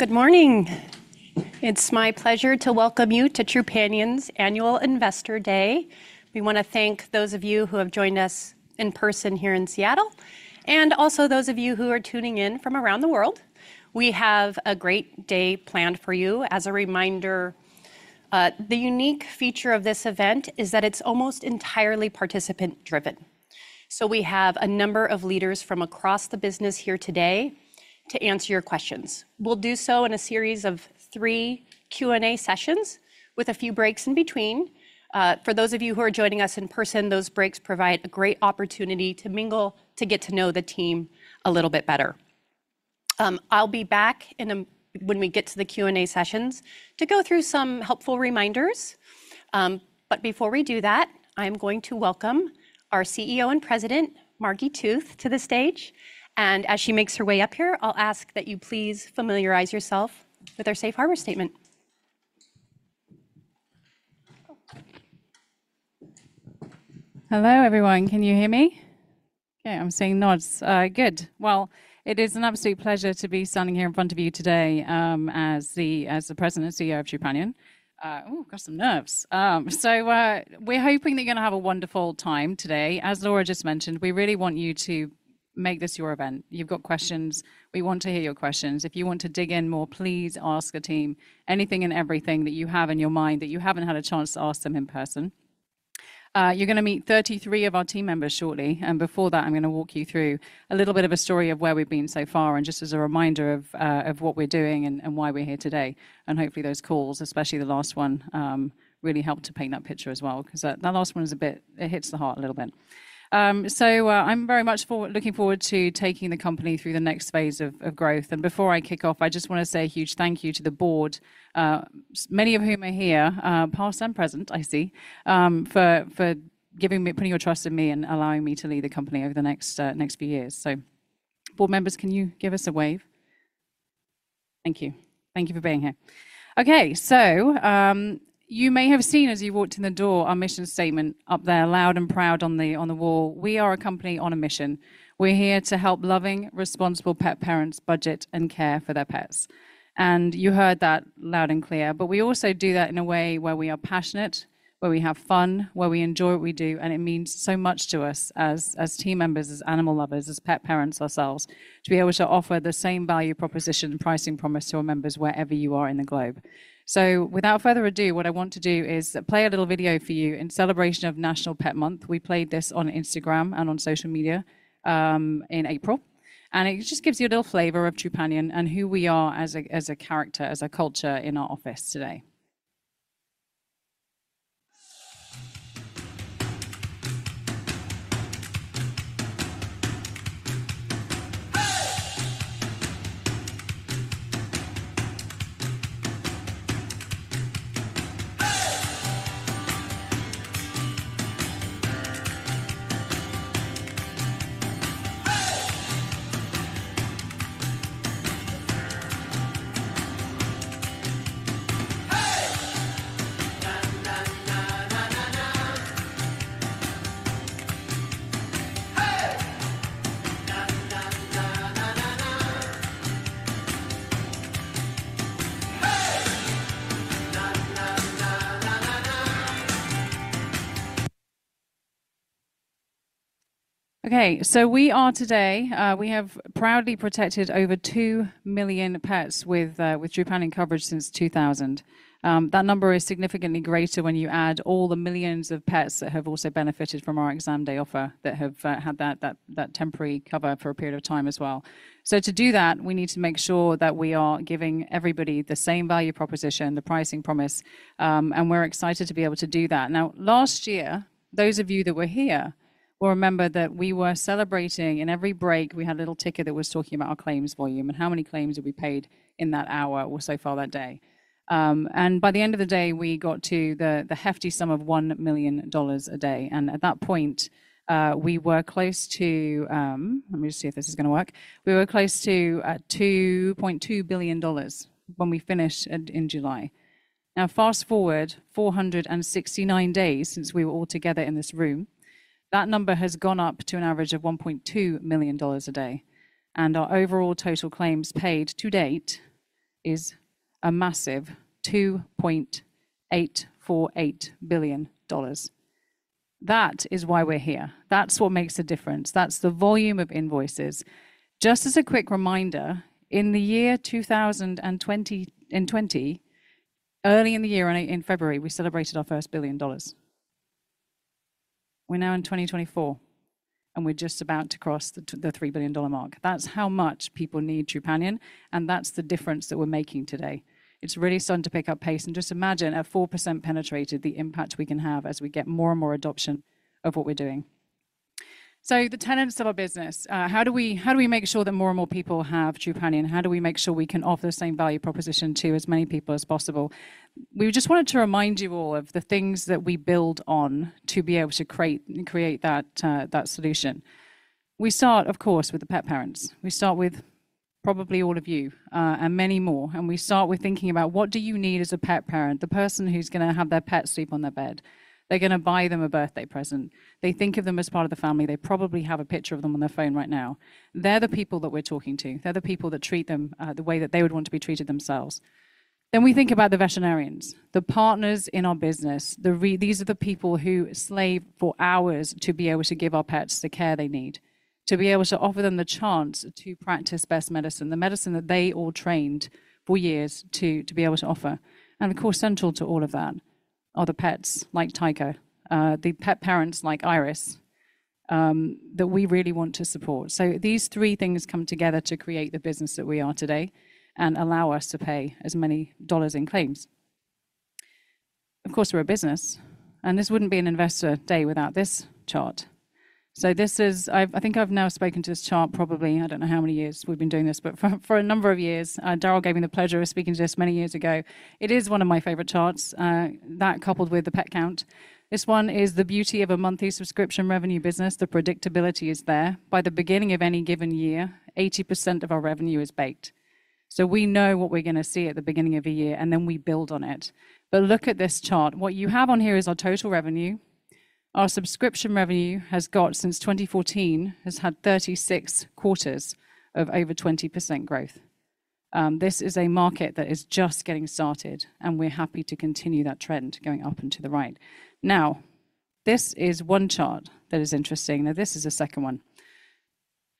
Good morning. It's my pleasure to welcome you to Trupanion's Annual Investor Day. We want to thank those of you who have joined us in person here in Seattle, and also those of you who are tuning in from around the world. We have a great day planned for you. As a reminder, the unique feature of this event is that it's almost entirely participant-driven. So we have a number of leaders from across the business here today to answer your questions. We'll do so in a series of three Q&A sessions, with a few breaks in between. For those of you who are joining us in person, those breaks provide a great opportunity to mingle, to get to know the team a little bit better. I'll be back when we get to the Q&A sessions, to go through some helpful reminders. But before we do that, I'm going to welcome our CEO and President, Margi Tooth, to the stage, and as she makes her way up here, I'll ask that you please familiarize yourself with our safe harbor statement. Hello, everyone. Can you hear me? Okay, I'm seeing nods. Good. It is an absolute pleasure to be standing here in front of you today, as the President and CEO of Trupanion. Ooh, got some nerves! So, we're hoping that you're going to have a wonderful time today. As Laura just mentioned, we really want you to make this your event. You've got questions, we want to hear your questions. If you want to dig in more, please ask the team anything and everything that you have in your mind that you haven't had a chance to ask them in person. You're going to meet 33 of our team members shortly, and before that, I'm going to walk you through a little bit of a story of where we've been so far, and just as a reminder of what we're doing and why we're here today. And hopefully those calls, especially the last one, really helped to paint that picture as well, 'cause that last one is a bit. It hits the heart a little bit. I'm very much looking forward to taking the company through the next phase of growth. Before I kick off, I just want to say a huge thank you to the board, many of whom are here, past and present, I see, for putting your trust in me and allowing me to lead the company over the next few years. Board members, can you give us a wave? Thank you. Thank you for being here. Okay, you may have seen, as you walked in the door, our mission statement up there, loud and proud on the wall. "We are a company on a mission. We're here to help loving, responsible pet parents budget and care for their pets." You heard that loud and clear. But we also do that in a way where we are passionate, where we have fun, where we enjoy what we do, and it means so much to us as team members, as animal lovers, as pet parents ourselves, to be able to offer the same value proposition and pricing promise to our members wherever you are in the globe. Without further ado, what I want to do is play a little video for you in celebration of National Pet Month. We played this on Instagram and on social media in April, and it just gives you a little flavor of Trupanion and who we are as a character, as a culture in our office today. Okay, so we are today, we have proudly protected over two million pets with Trupanion coverage since 2000. That number is significantly greater when you add all the millions of pets that have also benefited from our Exam Day Offer, that have had that temporary cover for a period of time as well. So to do that, we need to make sure that we are giving everybody the same value proposition, the pricing promise, and we're excited to be able to do that. Now, last year, those of you that were here will remember that we were celebrating. In every break, we had a little ticker that was talking about our claims volume and how many claims have we paid in that hour or so far that day. And by the end of the day, we got to the hefty sum of $1 million a day, and at that point, we were close to $2.2 billion when we finished in July. Now, fast-forward 469 days since we were all together in this room, that number has gone up to an average of $1.2 million a day, and our overall total claims paid to date is a massive $2.848 billion. That is why we are here. That is what makes a difference. That is the volume of invoices. Just as a quick reminder, in the year 2020, early in the year, in February, we celebrated our first $1 billion. We're now in 2024, and we're just about to cross the $3 billion mark. That's how much people need Trupanion, and that's the difference that we're making today. It's really starting to pick up pace, and just imagine, at 4% penetrated, the impact we can have as we get more and more adoption of what we're doing. So the tenets of our business, how do we make sure that more and more people have Trupanion? How do we make sure we can offer the same value proposition to as many people as possible? We just wanted to remind you all of the things that we build on to be able to create that solution. We start, of course, with the pet parents. We start with probably all of you, and many more, and we start with thinking about: What do you need as a pet parent? The person who's gonna have their pet sleep on their bed. They're gonna buy them a birthday present. They think of them as part of the family. They probably have a picture of them on their phone right now. They're the people that we're talking to. They're the people that treat them the way that they would want to be treated themselves. Then we think about the veterinarians, the partners in our business, these are the people who slave for hours to be able to give our pets the care they need, to be able to offer them the chance to practice best medicine, the medicine that they all trained for years to be able to offer. Of course, central to all of that are the pets like Tycho, the pet parents like Iris, that we really want to support. These three things come together to create the business that we are today and allow us to pay as many dollars in claims. Of course, we're a business, and this wouldn't be an investor day without this chart. This is. I think I've now spoken to this chart probably. I don't know how many years we've been doing this, but for a number of years. Daryl gave me the pleasure of speaking to this many years ago. It is one of my favorite charts, that coupled with the pet count. This one is the beauty of a monthly subscription revenue business. The predictability is there. By the beginning of any given year, 80% of our revenue is baked. So we know what we're going to see at the beginning of a year, and then we build on it, but look at this chart. What you have on here is our total revenue. Our subscription revenue has got, since 2014, has had 36 quarters of over 20% growth. This is a market that is just getting started, and we're happy to continue that trend going up and to the right. Now, this is one chart that is interesting. Now, this is the second one.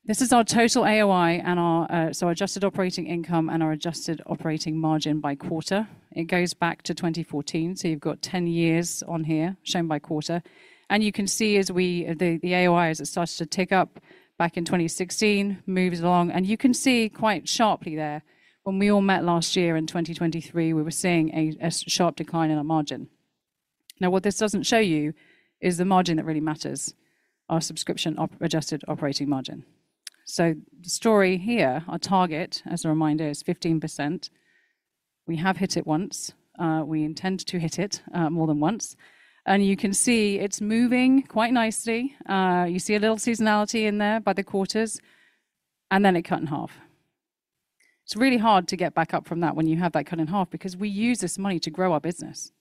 This is our total AOI and our, so adjusted operating income and our adjusted operating margin by quarter. It goes back to 2014, so you've got 10 years on here, shown by quarter. And you can see, the AOI, as it starts to tick up back in 2016, moves along, and you can see quite sharply there. When we all met last year in 2023, we were seeing a sharp decline in our margin. Now, what this doesn't show you is the margin that really matters, our subscription adjusted operating margin. So the story here, our target, as a reminder, is 15%. We have hit it once. We intend to hit it more than once. And you can see it's moving quite nicely. You see a little seasonality in there by the quarters, and then it cut in half. It's really hard to get back up from that when you have that cut in half, because we use this money to grow our business.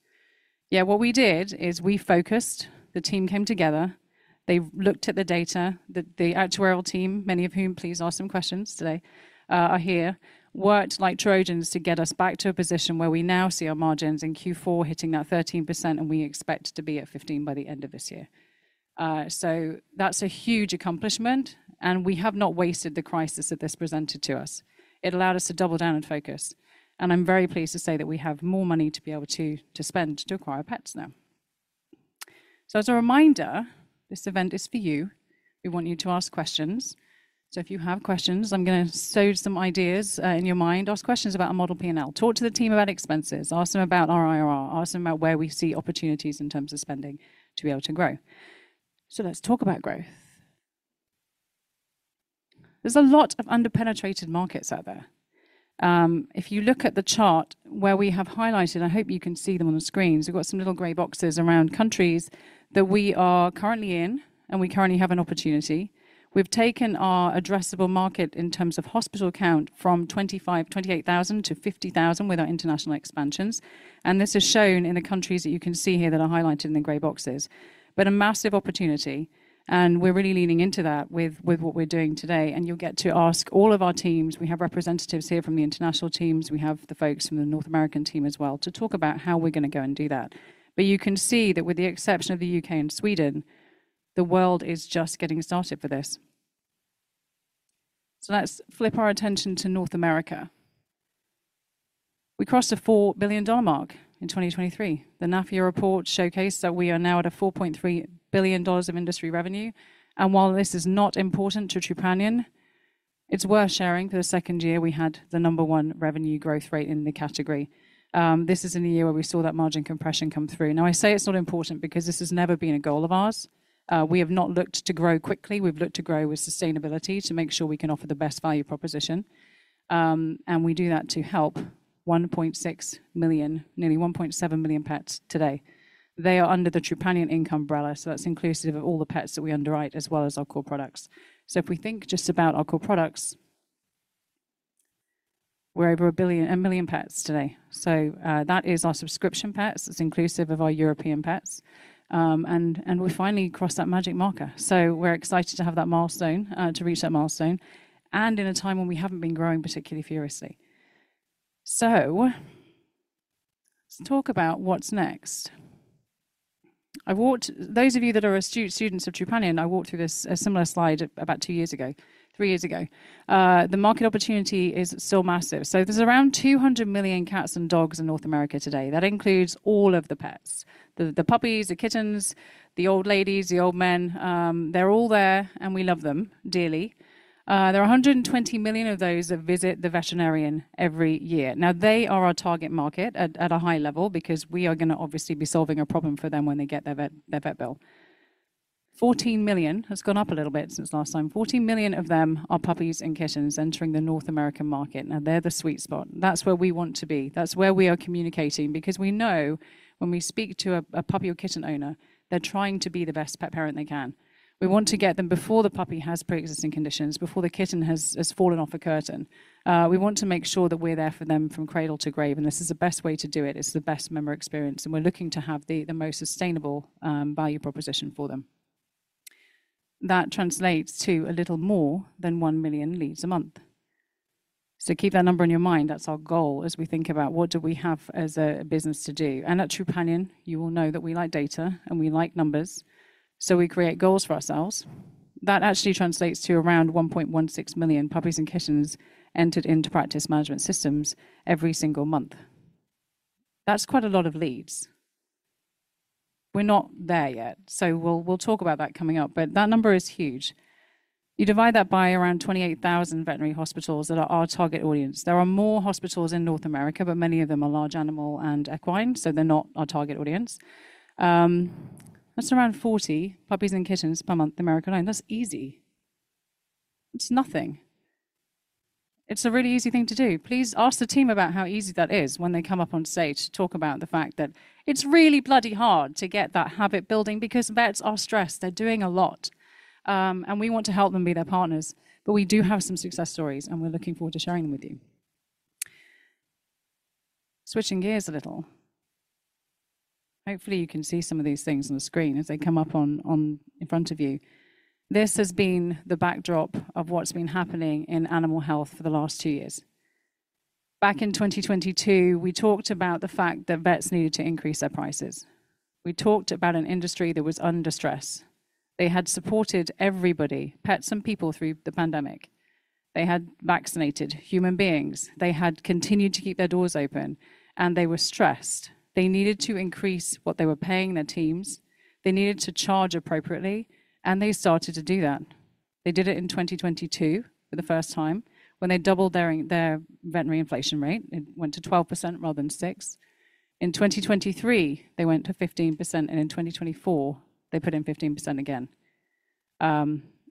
Yeah, what we did is we focused, the team came together, they looked at the data, the actuarial team, many of whom, please ask some questions today, are here, worked like Trojans to get us back to a position where we now see our margins in Q4 hitting that 13%, and we expect to be at 15% by the end of this year. So that's a huge accomplishment, and we have not wasted the crisis that this presented to us. It allowed us to double down and focus, and I'm very pleased to say that we have more money to be able to, to spend to acquire pets now. So as a reminder, this event is for you. We want you to ask questions. So if you have questions, I'm gonna sow some ideas in your mind. Ask questions about our model P&L. Talk to the team about expenses. Ask them about our IRR. Ask them about where we see opportunities in terms of spending to be able to grow, so let's talk about growth. There's a lot of under-penetrated markets out there. If you look at the chart where we have highlighted, I hope you can see them on the screen. So we've got some little gray boxes around countries that we are currently in, and we currently have an opportunity. We've taken our addressable market in terms of hospital count from 25,000-28,000 to 50,000 with our international expansions, and this is shown in the countries that you can see here that are highlighted in the gray boxes, but a massive opportunity, and we're really leaning into that with what we're doing today, and you'll get to ask all of our teams. We have representatives here from the international teams. We have the folks from the North American team as well to talk about how we're going to go and do that, but you can see that with the exception of the UK and Sweden, the world is just getting started for this. Let's flip our attention to North America. We crossed a $4 billion mark in 2023. The NAPHIA report showcased that we are now at a $4.3 billion of industry revenue, and while this is not important to Trupanion, it's worth sharing for the second year, we had the number one revenue growth rate in the category. This is in a year where we saw that margin compression come through. Now, I say it's not important because this has never been a goal of ours. We have not looked to grow quickly. We've looked to grow with sustainability to make sure we can offer the best value proposition. We do that to help 1.6 million, nearly 1.7 million pets today. They are under the Trupanion Income umbrella, so that's inclusive of all the pets that we underwrite, as well as our core products. So if we think just about our core products, we're over a million pets today. So that is our subscription pets. It's inclusive of our European pets. We finally crossed that magic marker. So we're excited to have that milestone to reach that milestone, and in a time when we haven't been growing particularly furiously. So let's talk about what's next. Those of you that are students of Trupanion, I walked through this, a similar slide about two years ago, three years ago. The market opportunity is still massive, so there's around 200 million cats and dogs in North America today. That includes all of the pets, the puppies, the kittens, the old ladies, the old men. They're all there, and we love them dearly. There are 120 million of those that visit the veterinarian every year. Now, they are our target market at a high level because we are gonna obviously be solving a problem for them when they get their vet bill. 14 million has gone up a little bit since last time. 14 million of them are puppies and kittens entering the North American market. Now, they're the sweet spot. That's where we want to be. That's where we are communicating, because we know when we speak to a puppy or kitten owner, they're trying to be the best pet parent they can. We want to get them before the puppy has preexisting conditions, before the kitten has fallen off a curtain. We want to make sure that we're there for them from cradle to grave, and this is the best way to do it. It's the best member experience, and we're looking to have the most sustainable value proposition for them... that translates to a little more than one million leads a month. So keep that number in your mind, that's our goal as we think about what do we have as a business to do. And at Trupanion, you will know that we like data, and we like numbers, so we create goals for ourselves. That actually translates to around 1.16 million puppies and kittens entered into practice management systems every single month. That's quite a lot of leads. We're not there yet, so we'll talk about that coming up, but that number is huge. You divide that by around 28,000 veterinary hospitals that are our target audience. There are more hospitals in North America, but many of them are large animal and equine, so they're not our target audience. That's around 40 puppies and kittens per month in America, and that's easy. It's nothing. It's a really easy thing to do. Please ask the team about how easy that is when they come up on stage to talk about the fact that it's really bloody hard to get that habit building because vets are stressed, they're doing a lot. And we want to help them be their partners, but we do have some success stories, and we're looking forward to sharing them with you. Switching gears a little. Hopefully, you can see some of these things on the screen as they come up in front of you. This has been the backdrop of what's been happening in animal health for the last two years. Back in 2022, we talked about the fact that vets needed to increase their prices. We talked about an industry that was under stress. They had supported everybody, pets and people, through the pandemic. They had vaccinated human beings, they had continued to keep their doors open, and they were stressed. They needed to increase what they were paying their teams, they needed to charge appropriately, and they started to do that. They did it in 2022 for the first time, when they doubled their veterinary inflation rate. It went to 12% rather than 6%. In 2023, they went to 15%, and in 2024, they put in 15% again.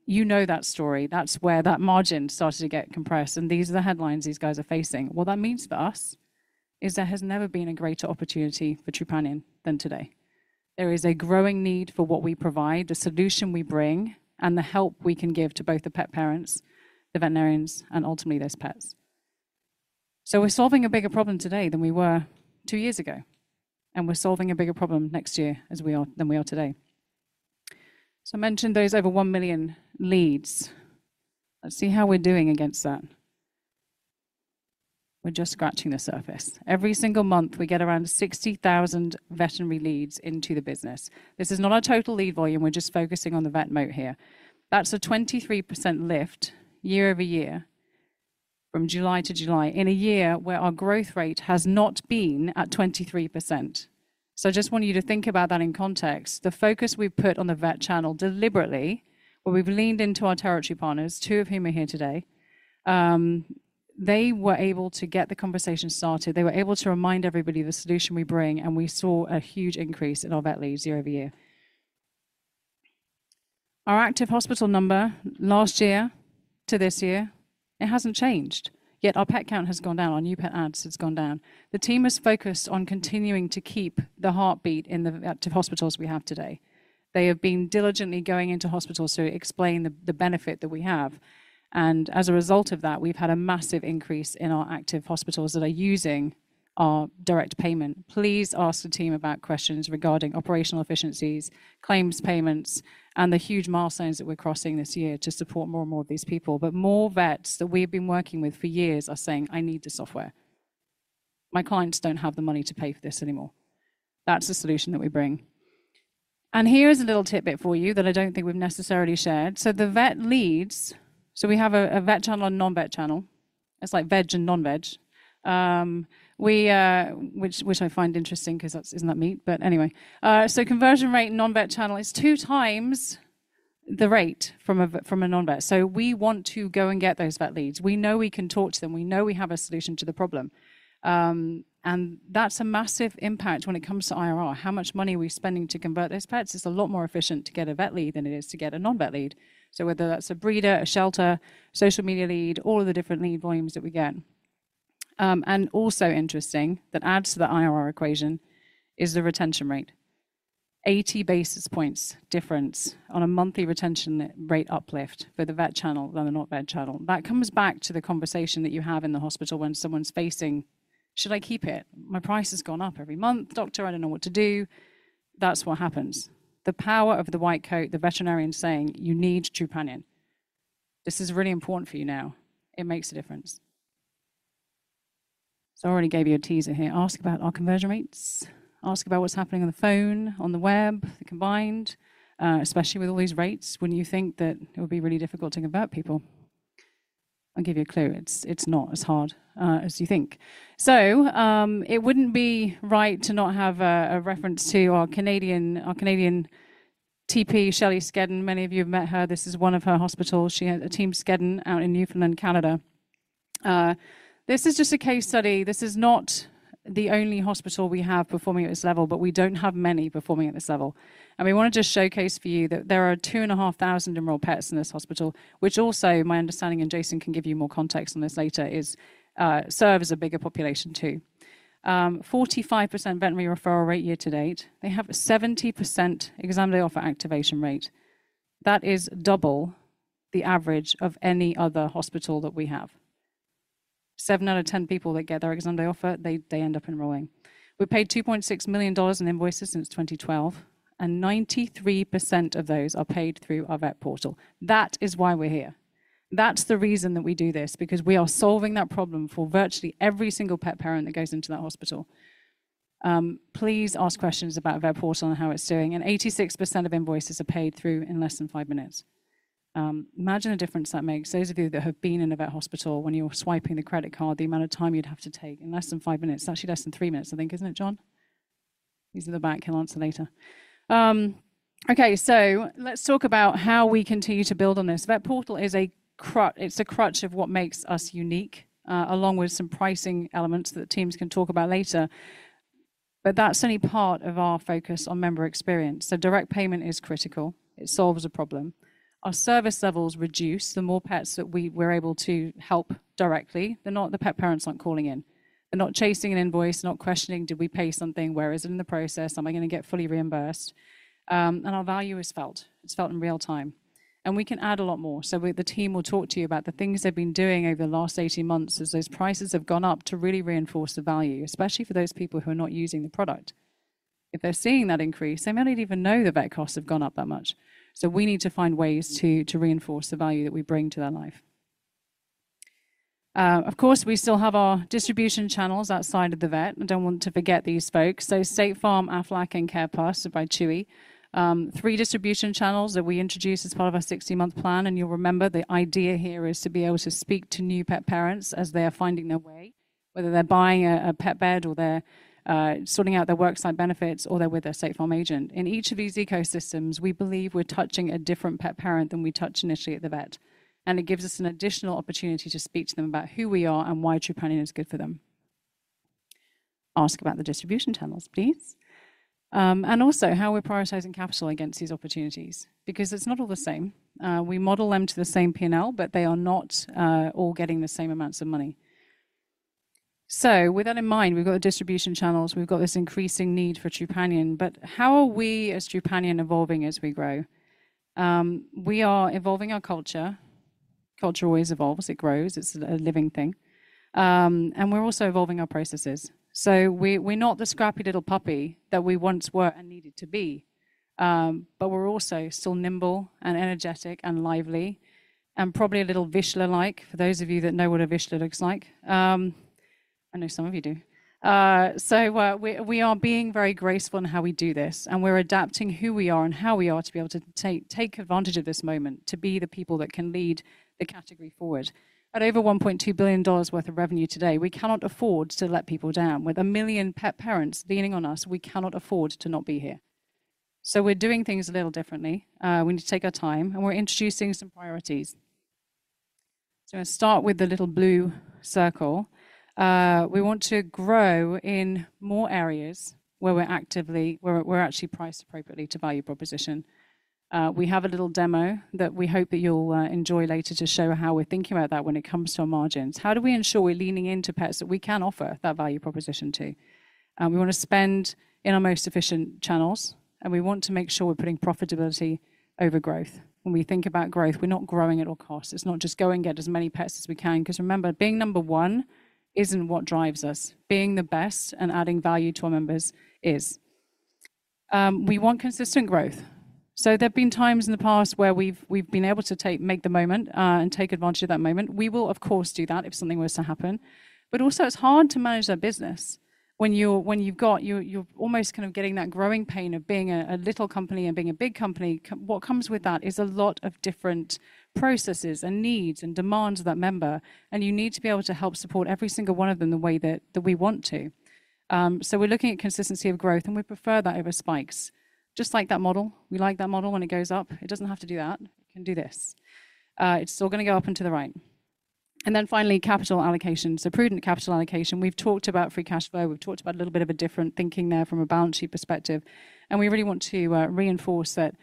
You know that story. That's where that margin started to get compressed, and these are the headlines these guys are facing. What that means for us is there has never been a greater opportunity for Trupanion than today. There is a growing need for what we provide, the solution we bring, and the help we can give to both the pet parents, the veterinarians, and ultimately, those pets. So we're solving a bigger problem today than we were two years ago, and we're solving a bigger problem next year, as we are - than we are today. So I mentioned those over one million leads. Let's see how we're doing against that. We're just scratching the surface. Every single month, we get around sixty thousand veterinary leads into the business. This is not our total lead volume. We're just focusing on the vet moat here. That's a 23% lift year over year, from July to July, in a year where our growth rate has not been at 23%. So I just want you to think about that in context. The focus we've put on the vet channel deliberately, where we've leaned into our Territory Partners, two of whom are here today, they were able to get the conversation started. They were able to remind everybody the solution we bring, and we saw a huge increase in our vet leads year over year. Our active hospital number last year to this year, it hasn't changed, yet our pet count has gone down, our new pet adds has gone down. The team is focused on continuing to keep the heartbeat in the active hospitals we have today. They have been diligently going into hospitals to explain the benefit that we have, and as a result of that, we've had a massive increase in our active hospitals that are using our direct payment. Please ask the team about questions regarding operational efficiencies, claims payments, and the huge milestones that we're crossing this year to support more and more of these people, but more vets that we've been working with for years are saying, "I need this software. My clients don't have the money to pay for this anymore." That's the solution that we bring. Here is a little tidbit for you that I don't think we've necessarily shared. The vet leads, we have a vet channel and non-vet channel. It's like veg and non-veg, which I find interesting because that's, isn't that meat? But anyway, conversion rate in non-vet channel is two times the rate from a non-vet. We want to go and get those vet leads. We know we can talk to them. We know we have a solution to the problem. That's a massive impact when it comes to IRR. How much money are we spending to convert those pets? It's a lot more efficient to get a vet lead than it is to get a non-vet lead. Whether that's a breeder, a shelter, social media lead, all of the different lead volumes that we get. And also interesting, that adds to the IRR equation, is the retention rate. 80 basis points difference on a monthly retention rate uplift for the vet channel than the not vet channel. That comes back to the conversation that you have in the hospital when someone's facing: "Should I keep it? My price has gone up every month, Doctor, I don't know what to do." That's what happens. The power of the white coat, the veterinarian saying, "You need Trupanion. This is really important for you now." It makes a difference. I already gave you a teaser here. Ask about our conversion rates. Ask about what's happening on the phone, on the web, the combined, especially with all these rates, when you think that it would be really difficult to convert people. I'll give you a clue: It's not as hard as you think. So, it wouldn't be right to not have a reference to our Canadian TP, Shelley Skedden. Many of you have met her. This is one of her hospitals. She had a team, Skedden, out in Newfoundland, Canada. This is just a case study. This is not the only hospital we have performing at this level, but we don't have many performing at this level. We want to just showcase for you that there are two and a half thousand enrolled pets in this hospital, which also, my understanding, and Jason can give you more context on this later, is serve as a bigger population, too. 45% veterinary referral rate year to date. They have a 70% Exam Day Offer activation rate. That is double the average of any other hospital that we have. Seven out of ten people that get their Exam Day Offer, they end up enrolling. We paid $2.6 million in invoices since 2012, and 93% of those are paid through our Vet Portal. That is why we're here. That's the reason that we do this, because we are solving that problem for virtually every single pet parent that goes into that hospital. Please ask questions about Vet Portal and how it's doing, and 86% of invoices are paid through in less than five minutes. Imagine the difference that makes, those of you that have been in a vet hospital when you're swiping the credit card, the amount of time you'd have to take. In less than five minutes. It's actually less than three minutes, I think, isn't it, John? He's in the back. He'll answer later. Okay, so let's talk about how we continue to build on this. Vet Portal is a crutch of what makes us unique, along with some pricing elements that the teams can talk about later. But that's only part of our focus on member experience. Direct payment is critical. It solves a problem. Our service levels reduce the more pets that we're able to help directly. The pet parents aren't calling in. They're not chasing an invoice, not questioning, "Did we pay something? Where is it in the process? Am I gonna get fully reimbursed?" Our value is felt. It's felt in real time, and we can add a lot more. The team will talk to you about the things they've been doing over the last eighteen months as those prices have gone up, to really reinforce the value, especially for those people who are not using the product. If they're seeing that increase, they may not even know the vet costs have gone up that much. We need to find ways to reinforce the value that we bring to their life. Of course, we still have our distribution channels outside of the vet. I don't want to forget these folks. So State Farm, Aflac, and CarePlus by Chewy. Three distribution channels that we introduced as part of our 60-month plan. And you'll remember, the idea here is to be able to speak to new pet parents as they are finding their way, whether they're buying a pet bed, or they're sorting out their worksite benefits, or they're with their State Farm agent. In each of these ecosystems, we believe we're touching a different pet parent than we touch initially at the vet, and it gives us an additional opportunity to speak to them about who we are and why Trupanion is good for them. Ask about the distribution channels, please. And also how we're prioritizing capital against these opportunities, because it's not all the same. We model them to the same P&L, but they are not all getting the same amounts of money. So with that in mind, we've got the distribution channels, we've got this increasing need for Trupanion, but how are we, as Trupanion, evolving as we grow? We are evolving our culture. Culture always evolves, it grows, it's a living thing. And we're also evolving our processes. We're not the scrappy little puppy that we once were and needed to be, but we're also still nimble and energetic and lively and probably a little Vizsla-like, for those of you that know what a Vizsla looks like. I know some of you do. So we are being very graceful in how we do this, and we're adapting who we are and how we are to be able to take advantage of this moment, to be the people that can lead the category forward. At over $1.2 billion worth of revenue today, we cannot afford to let people down. With 1 million pet parents leaning on us, we cannot afford to not be here. So we're doing things a little differently. We need to take our time, and we're introducing some priorities. So I start with the little blue circle. We want to grow in more areas where we're actually priced appropriately to value proposition. We have a little demo that we hope that you'll enjoy later to show how we're thinking about that when it comes to our margins. How do we ensure we're leaning into pets that we can offer that value proposition to? We wanna spend in our most efficient channels, and we want to make sure we're putting profitability over growth. When we think about growth, we're not growing at all costs. It's not just go and get as many pets as we can, 'cause remember, being number one isn't what drives us. Being the best and adding value to our members is. We want consistent growth. So there have been times in the past where we've been able to take the moment and take advantage of that moment. We will, of course, do that if something was to happen. But also, it's hard to manage our business when you've got you're almost kind of getting that growing pain of being a little company and being a big company. What comes with that is a lot of different processes and needs and demands of that member, and you need to be able to help support every single one of them the way that, that we want to. So we're looking at consistency of growth, and we prefer that over spikes. Just like that model, we like that model when it goes up. It doesn't have to do that, it can do this. It's still gonna go up and to the right. And then finally, capital allocation. So prudent capital allocation. We've talked about free cash flow, we've talked about a little bit of a different thinking there from a balance sheet perspective, and we really want to reinforce that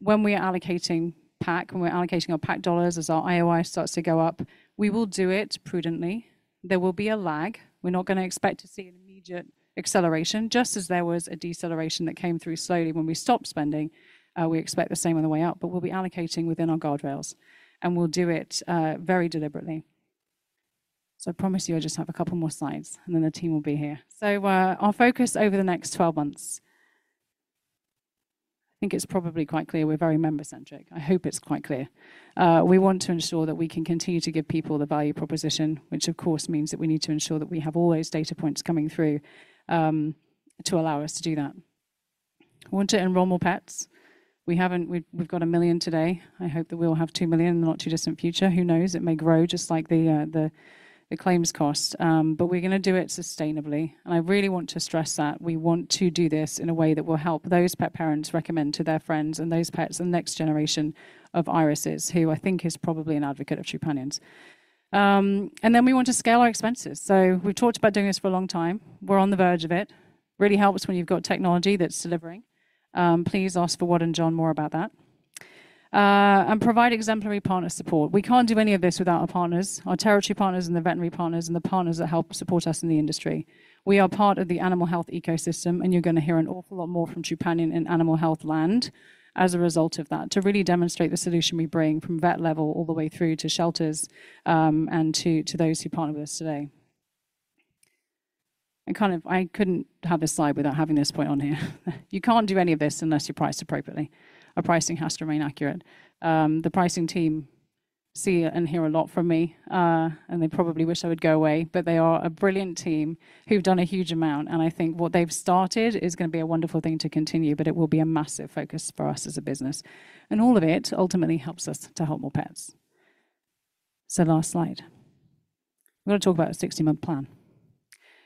when we are allocating PAC, when we're allocating our PAC dollars as our AOI starts to go up, we will do it prudently. There will be a lag. We're not gonna expect to see an immediate acceleration, just as there was a deceleration that came through slowly when we stopped spending. We expect the same on the way up, but we'll be allocating within our guardrails, and we'll do it very deliberately. So I promise you, I just have a couple more slides, and then the team will be here. So, our focus over the next twelve months. I think it's probably quite clear we're very member-centric. I hope it's quite clear. We want to ensure that we can continue to give people the value proposition, which of course, means that we need to ensure that we have all those data points coming through, to allow us to do that. We want to enroll more pets. We've got a million today. I hope that we'll have two million in the not-too-distant future. Who knows? It may grow just like the claims cost. But we're gonna do it sustainably, and I really want to stress that we want to do this in a way that will help those pet parents recommend to their friends and those pets, the next generation of Irises, who I think is probably an advocate of Trupanion. And then we want to scale our expenses. So we've talked about doing this for a long time. We're on the verge of it. Really helps when you've got technology that's delivering. Please ask Fawad and John more about that. And provide exemplary partner support. We can't do any of this without our partners, our Territory Partners and the veterinary partners, and the partners that help support us in the industry. We are part of the animal health ecosystem, and you're gonna hear an awful lot more from Trupanion in animal health land as a result of that, to really demonstrate the solution we bring from vet level all the way through to shelters, and to those who partner with us today. I kind of, I couldn't have this slide without having this point on here. You can't do any of this unless you're priced appropriately. Our pricing has to remain accurate. The pricing team see and hear a lot from me, and they probably wish I would go away, but they are a brilliant team who've done a huge amount, and I think what they've started is gonna be a wonderful thing to continue, but it will be a massive focus for us as a business, and all of it ultimately helps us to help more pets. So last slide. I'm gonna talk about a 60-month plan.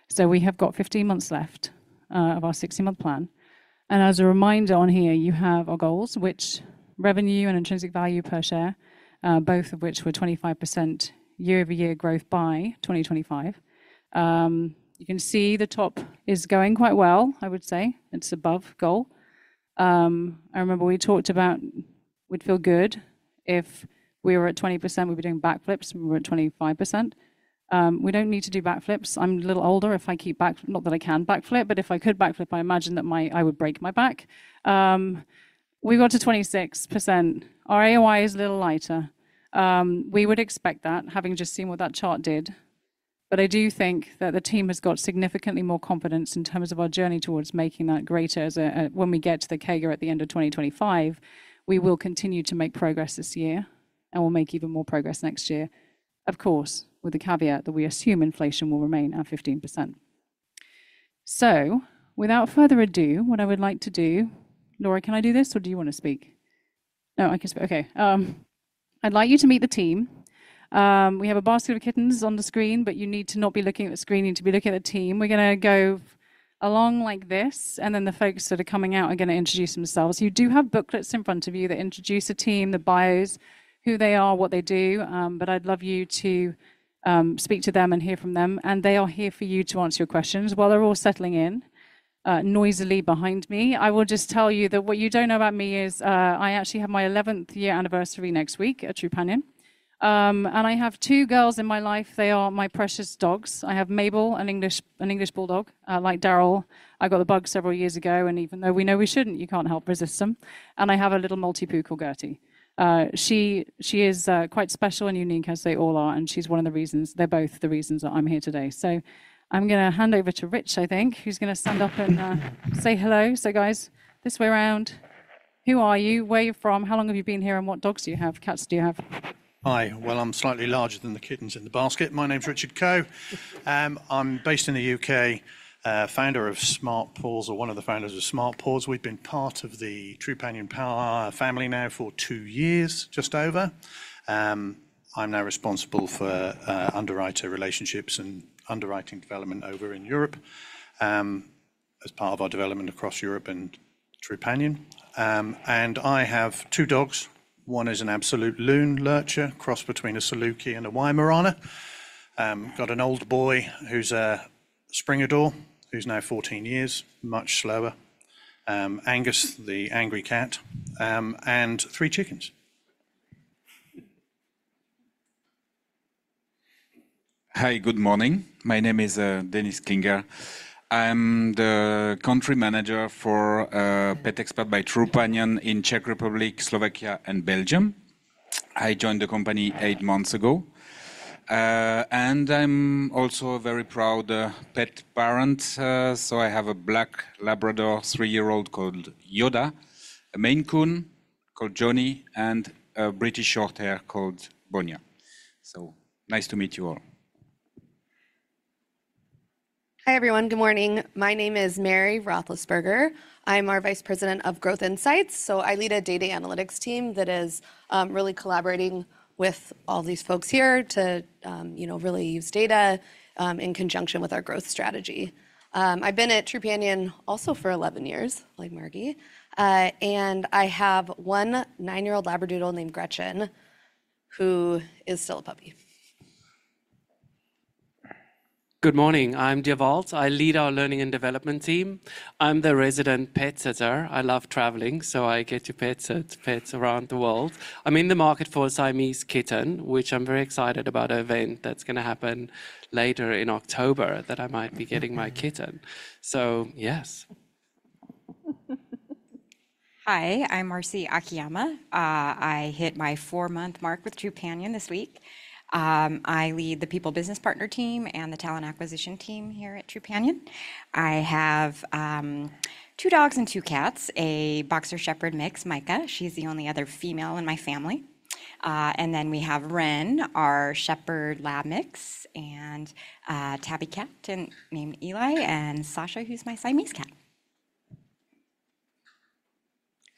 So we have got 15 months left of our 60-month plan, and as a reminder on here, you have our goals, which revenue and intrinsic value per share, both of which were 25% year-over-year growth by 2025. You can see the top is going quite well, I would say. It's above goal. I remember we talked about we'd feel good if we were at 20%, we'd be doing backflips, and we're at 25%. We don't need to do backflips. I'm a little older. If I keep back, not that I can backflip, but if I could backflip, I imagine that my, I would break my back. We got to 26%. Our AOI is a little lighter. We would expect that, having just seen what that chart did, but I do think that the team has got significantly more confidence in terms of our journey towards making that greater. When we get to the CAGR at the end of 2025, we will continue to make progress this year, and we'll make even more progress next year. Of course, with the caveat that we assume inflation will remain at 15%. Without further ado, what I would like to do... Laura, can I do this, or do you want to speak? No, I can speak. Okay. I'd like you to meet the team. We have a basket of kittens on the screen, but you need to not be looking at the screen. You need to be looking at the team. We're gonna go along like this, and then the folks that are coming out are gonna introduce themselves. You do have booklets in front of you that introduce the team, the bios, who they are, what they do, but I'd love you to speak to them and hear from them, and they are here for you to answer your questions. While they're all settling in noisily behind me, I will just tell you that what you don't know about me is I actually have my eleventh-year anniversary next week at Trupanion. And I have two girls in my life. They are my precious dogs. I have Mabel, an English bulldog. Like Daryl, I got the bug several years ago, and even though we know we shouldn't, you can't help resist them. And I have a little maltipoo called Gertie. She is quite special and unique, as they all are, and she's one of the reasons they're both the reasons that I'm here today. So I'm gonna hand over to Rich, I think, who's gonna stand up and say hello. So, guys, this way around. Who are you? Where are you from? How long have you been here, and what dogs do you have, cats do you have? Hi. Well, I'm slightly larger than the kittens in the basket. My name's Richard Coe. I'm based in the U.K., founder of Smart Paws, or one of the founders of Smart Paws. We've been part of the Trupanion Paws family now for two years, just over. I'm now responsible for, underwriter relationships and underwriting development over in Europe, as part of our development across Europe and Trupanion. And I have two dogs. One is an absolute loon lurcher, cross between a Saluki and a Weimaraner. Got an old boy who's a Springador, who's now 14 years, much slower, Angus, the angry cat, and three chickens. Hi, good morning. My name is Denis Klinger. I'm the country manager for PetExpert by Trupanion in Czech Republic, Slovakia, and Belgium. I joined the company eight months ago, and I'm also a very proud pet parent. So I have a black Labrador, three-year-old called Yoda, a Maine Coon called Johnny, and a British Shorthair called Bonia. So nice to meet you all. Hi, everyone. Good morning. My name is Mary Roethlisberger. I'm our Vice President of Growth Insights, so I lead a data analytics team that is really collaborating with all these folks here to, you know, really use data in conjunction with our growth strategy. I've been at Trupanion also for eleven years, like Margie, and I have one nine-year-old Labradoodle named Gretchen, who is still a puppy. Good morning. I'm Dee Awald. I lead our learning and development team. I'm the resident pet sitter. I love traveling, so I get to pet sit pets around the world. I'm in the market for a Siamese kitten, which I'm very excited about an event that's gonna happen later in October, that I might be getting my kitten. So yes. Hi, I'm Marcy Akiyama. I hit my four-month mark with Trupanion this week. I lead the people business partner team and the talent acquisition team here at Trupanion. I have two dogs and two cats, a Boxer Shepherd mix, Micah. She's the only other female in my family, and then we have Wren, our Shepherd Lab mix, and a tabby cat named Eli, and Sasha, who's my Siamese cat.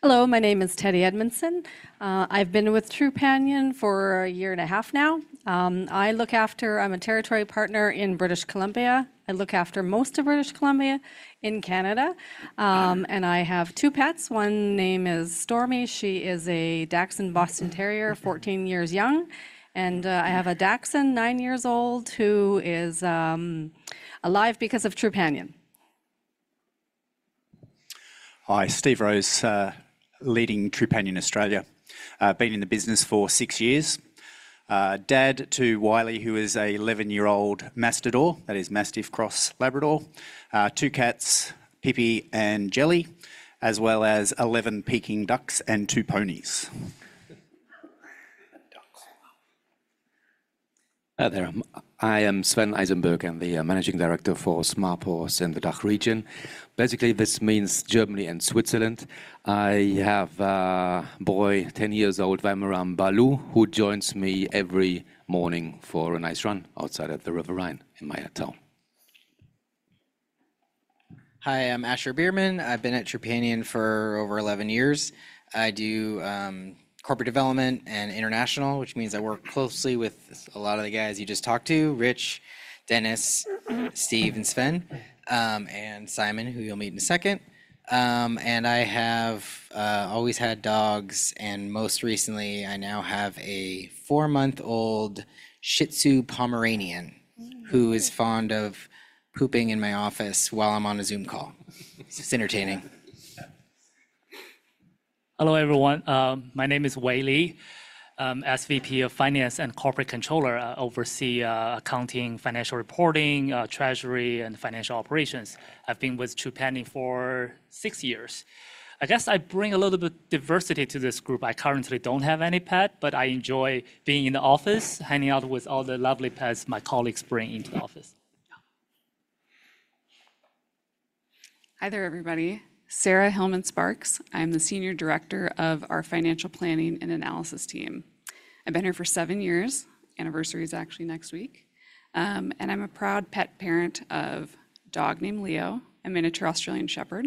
Hello, my name is Teddy Edmondson. I've been with Trupanion for a year and a half now. I look after. I'm a perritory partner in British Columbia. I look after most of British Columbia in Canada, and I have two pets. One's name is Stormy. She is a Dachshund Boston Terrier, fourteen years young, and I have a Dachshund, nine years old, who is alive because of Trupanion. Hi, Steve Rose, leading Trupanion Australia. Been in the business for six years. Dad to Wiley, who is an 11-year-old Mastador, that is Mastiff cross Labrador, two cats, Pippi and Jelly, as well as 11 Peking ducks and two ponies. ... Hi there. I am Sven Eisenberg. I'm the managing director for Smart Paws in the DACH region. Basically, this means Germany and Switzerland. I have a boy, 10 years old, Weimaraner, Baloo, who joins me every morning for a nice run outside at the River Rhine in my town. Hi, I'm Asher Bierman. I've been at Trupanion for over 11 years. I do corporate development and international, which means I work closely with a lot of the guys you just talked to, Rich, Dennis, Steve, and Sven, and Simon, who you'll meet in a second, and I have always had dogs, and most recently, I now have a four-month-old Shih Tzu Pomeranian who is fond of pooping in my office while I'm on a Zoom call. It's entertaining. Hello, everyone. My name is Wei Li. As VP of Finance and Corporate Controller, I oversee accounting, financial reporting, treasury, and financial operations. I've been with Trupanion for six years. I guess I bring a little bit diversity to this group. I currently don't have any pet, but I enjoy being in the office, hanging out with all the lovely pets my colleagues bring into the office. Hi there, everybody. Sarah Hillman-Sparks. I'm the Senior Director of our Financial Planning and Analysis team. I've been here for seven years. Anniversary's actually next week. And I'm a proud pet parent of a dog named Leo, a miniature Australian shepherd,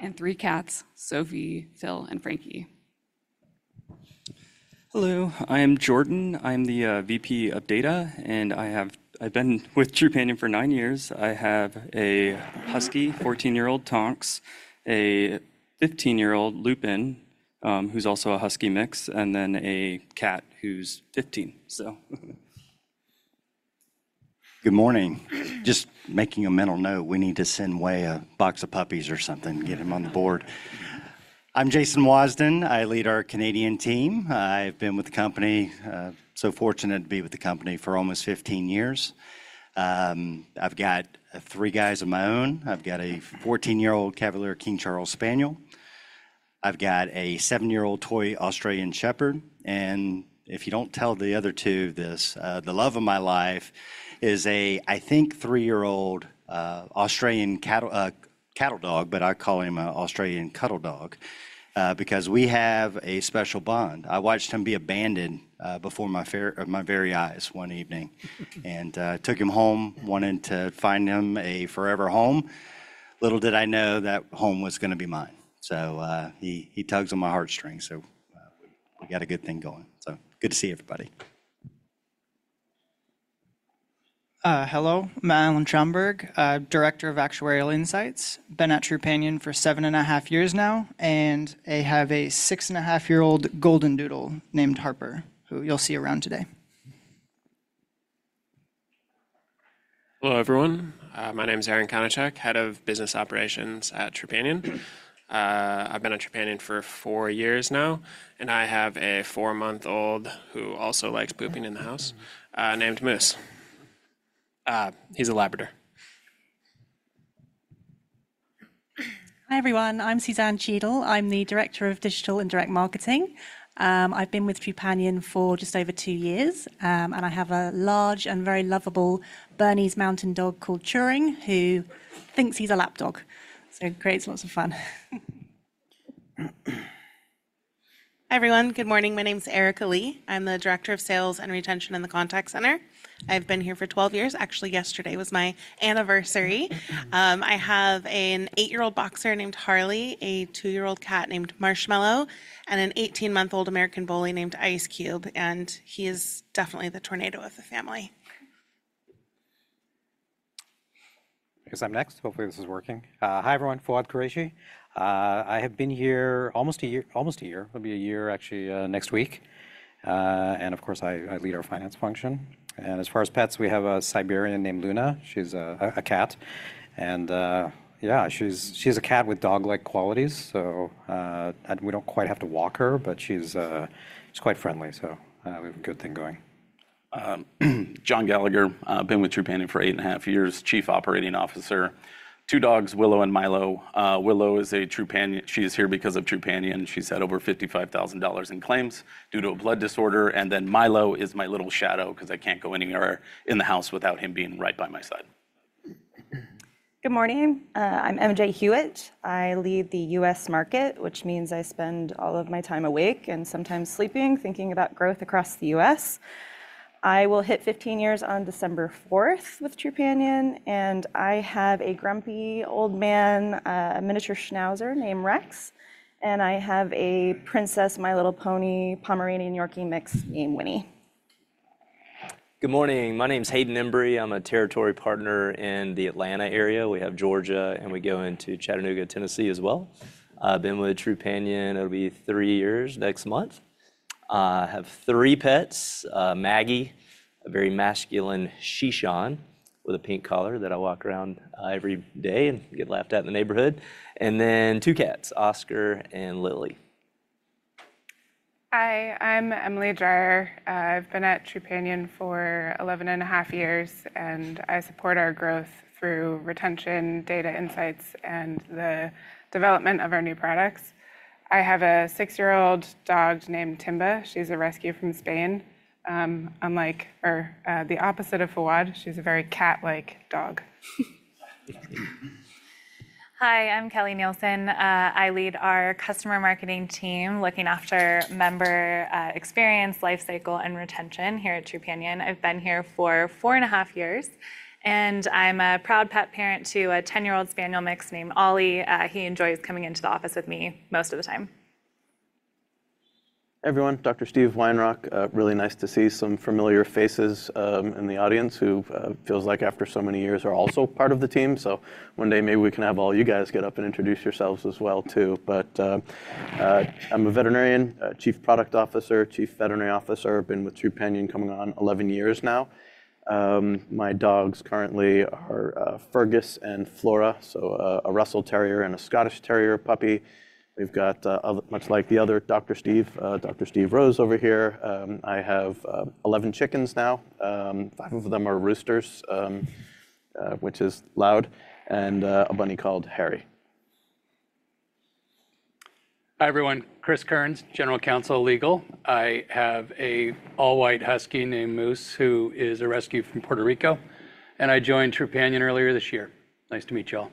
and three cats, Sophie, Phil, and Frankie. Hello, I am Jordan. I'm the VP of Data, and I've been with Trupanion for nine years. I have a 14-year-old husky, Tonks, a 15-year-old Lupin, who's also a husky mix, and then a cat who's 15, so. Good morning. Just making a mental note, we need to send Wei a box of puppies or something, get him on board. I'm Jason Wasden. I lead our Canadian team. I've been with the company, so fortunate to be with the company for almost fifteen years. I've got three guys of my own. I've got a fourteen-year-old Cavalier King Charles Spaniel. I've got a seven-year-old toy Australian Shepherd, and if you don't tell the other two this, the love of my life is a, I think, three-year-old Australian Cattle Dog, but I call him an Australian Cuddle Dog because we have a special bond. I watched him be abandoned before my very eyes one evening, and took him home, wanting to find him a forever home. Little did I know, that home was gonna be mine. So, he tugs on my heartstrings, so, we got a good thing going. So good to see you, everybody. Hello, I'm Allan Schomberg, Director of Actuarial Insights. Been at Trupanion for seven and a half years now, and I have a six-and-a-half-year-old Goldendoodle named Harper, who you'll see around today. Hello, everyone. My name is Aaron Konopasek, Head of Business Operations at Trupanion. I've been at Trupanion for four years now, and I have a four-month-old who also likes pooping in the house named Moose. He's a Labrador. Hi, everyone. I'm Suzanne Cheadle. I'm the director of digital and direct marketing. I've been with Trupanion for just over two years, and I have a large and very lovable Bernese Mountain Dog called Turing, who thinks he's a lap dog, so creates lots of fun. Hi, everyone. Good morning. My name's Erica Lee. I'm the Director of Sales and Retention in the contact center. I've been here for twelve years. Actually, yesterday was my anniversary. I have an eight-year-old boxer named Harley, a two-year-old cat named Marshmallow, and an eighteen-month-old American Bully named Ice Cube, and he is definitely the tornado of the family. I guess I'm next. Hopefully, this is working. Hi, everyone. Fawwad Qureshi. I have been here almost a year, almost a year. It'll be a year, actually, next week, and of course, I lead our finance function, and as far as pets, we have a Siberian named Luna. She's a cat, and yeah, she's a cat with dog-like qualities, so and we don't quite have to walk her, but she's quite friendly, so we have a good thing going. John Gallagher. I've been with Trupanion for eight and a half years, Chief Operating Officer. Two dogs, Willow and Milo. Willow is a Trupanion... She is here because of Trupanion. She's had over $55,000 in claims due to a blood disorder. And then Milo is my little shadow 'cause I can't go anywhere in the house without him being right by my side. Good morning. I'm MJ Hewitt. I lead the US market, which means I spend all of my time awake and sometimes sleeping, thinking about growth across the US. I will hit fifteen years on December fourth with Trupanion, and I have a grumpy old man, a miniature Schnauzer named Rex, and I have a princess, My Little Pony, Pomeranian, Yorkie mix named Winnie. Good morning. My name's Hayden Embree. I'm a Territory Partner in the Atlanta area. We have Georgia, and we go into Chattanooga, Tennessee, as well. I've been with Trupanion, it'll be three years next month. I have three pets: Maggie, a very masculine Shih Tzu with a pink collar that I walk around every day and get laughed at in the neighborhood, and then two cats, Oscar and Lily. Hi, I'm Emily Dreyer. I've been at Trupanion for eleven and a half years, and I support our growth through retention, data insights, and the development of our new products. I have a six-year-old dog named Timba. She's a rescue from Spain. Unlike the opposite of Fawad, she's a very cat-like dog. Hi, I'm Kelly Nielsen. I lead our customer marketing team, looking after member experience, life cycle, and retention here at Trupanion. I've been here for four and a half years, and I'm a proud pet parent to a 10-year-old Spaniel mix named Ollie. He enjoys coming into the office with me most of the time. Everyone, Dr. Steve Weinrauch. Really nice to see some familiar faces in the audience who feel like after so many years, are also part of the team. So one day, maybe we can have all you guys get up and introduce yourselves as well, too. But I'm a veterinarian, a Chief Product Officer, Chief Veterinary Officer. I've been with Trupanion coming on 11 years now. My dogs currently are Fergus and Flora, so a Russell Terrier and a Scottish Terrier puppy. We've got much like the other Dr. Steve, Dr. Steve Rose over here, I have 11 chickens now. Five of them are roosters, which is loud, and a bunny called Harry. Hi, everyone. Chris Kearns, General Counsel, Legal. I have an all-white Husky named Moose, who is a rescue from Puerto Rico, and I joined Trupanion earlier this year. Nice to meet you all.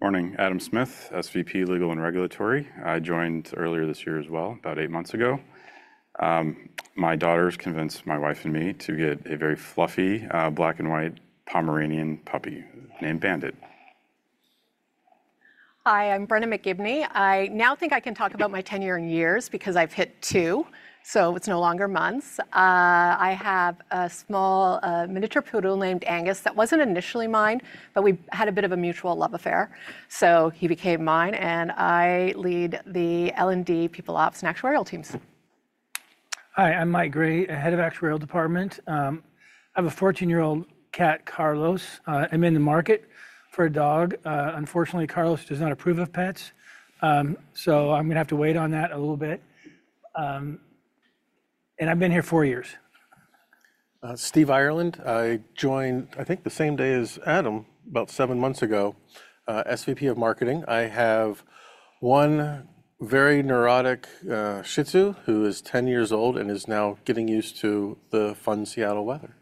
Morning, Adam Smith, SVP, Legal and Regulatory. I joined earlier this year as well, about eight months ago. My daughters convinced my wife and me to get a very fluffy, black and white Pomeranian puppy named Bandit. Hi, I'm Brenna McGibney. I now think I can talk about my tenure in years because I've hit two, so it's no longer months. I have a small, miniature poodle named Angus, that wasn't initially mine, but we had a bit of a mutual love affair, so he became mine, and I lead the L&D People Ops and Actuarial teams. Hi, I'm Mike Gray, head of Actuarial Department. I have a fourteen-year-old cat, Carlos. I'm in the market for a dog. Unfortunately, Carlos does not approve of pets, so I'm gonna have to wait on that a little bit, and I've been here four years. Steve Ireland. I joined, I think, the same day as Adam, about seven months ago, SVP of Marketing. I have one very neurotic Shih Tzu, who is 10 years old and is now getting used to the fun Seattle weather.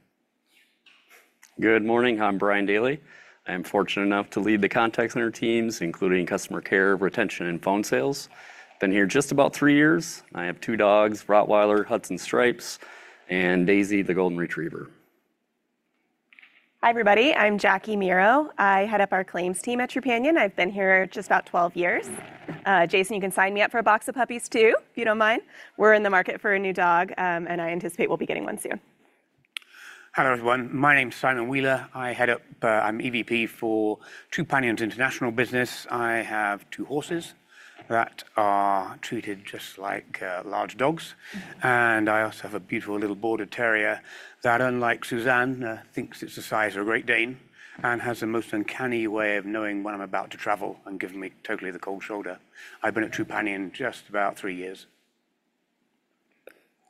Good morning. I'm Brian Daily. I'm fortunate enough to lead the contact center teams, including customer care, retention, and phone sales. Been here just about three years. I have two dogs, Rottweiler, Hudson Stripes, and Daisy, the Golden Retriever. Hi, everybody, I'm Jackie Mero. I head up our claims team at Trupanion. I've been here just about 12 years. Jason, you can sign me up for a box of puppies, too, if you don't mind. We're in the market for a new dog, and I anticipate we'll be getting one soon. Hello, everyone. My name's Simon Wheeler. I head up... I'm EVP for Trupanion's international business. I have two horses that are treated just like, large dogs, and I also have a beautiful little Border Terrier that, unlike Suzanne, thinks it's the size of a Great Dane and has the most uncanny way of knowing when I'm about to travel and giving me totally the cold shoulder. I've been at Trupanion just about three years.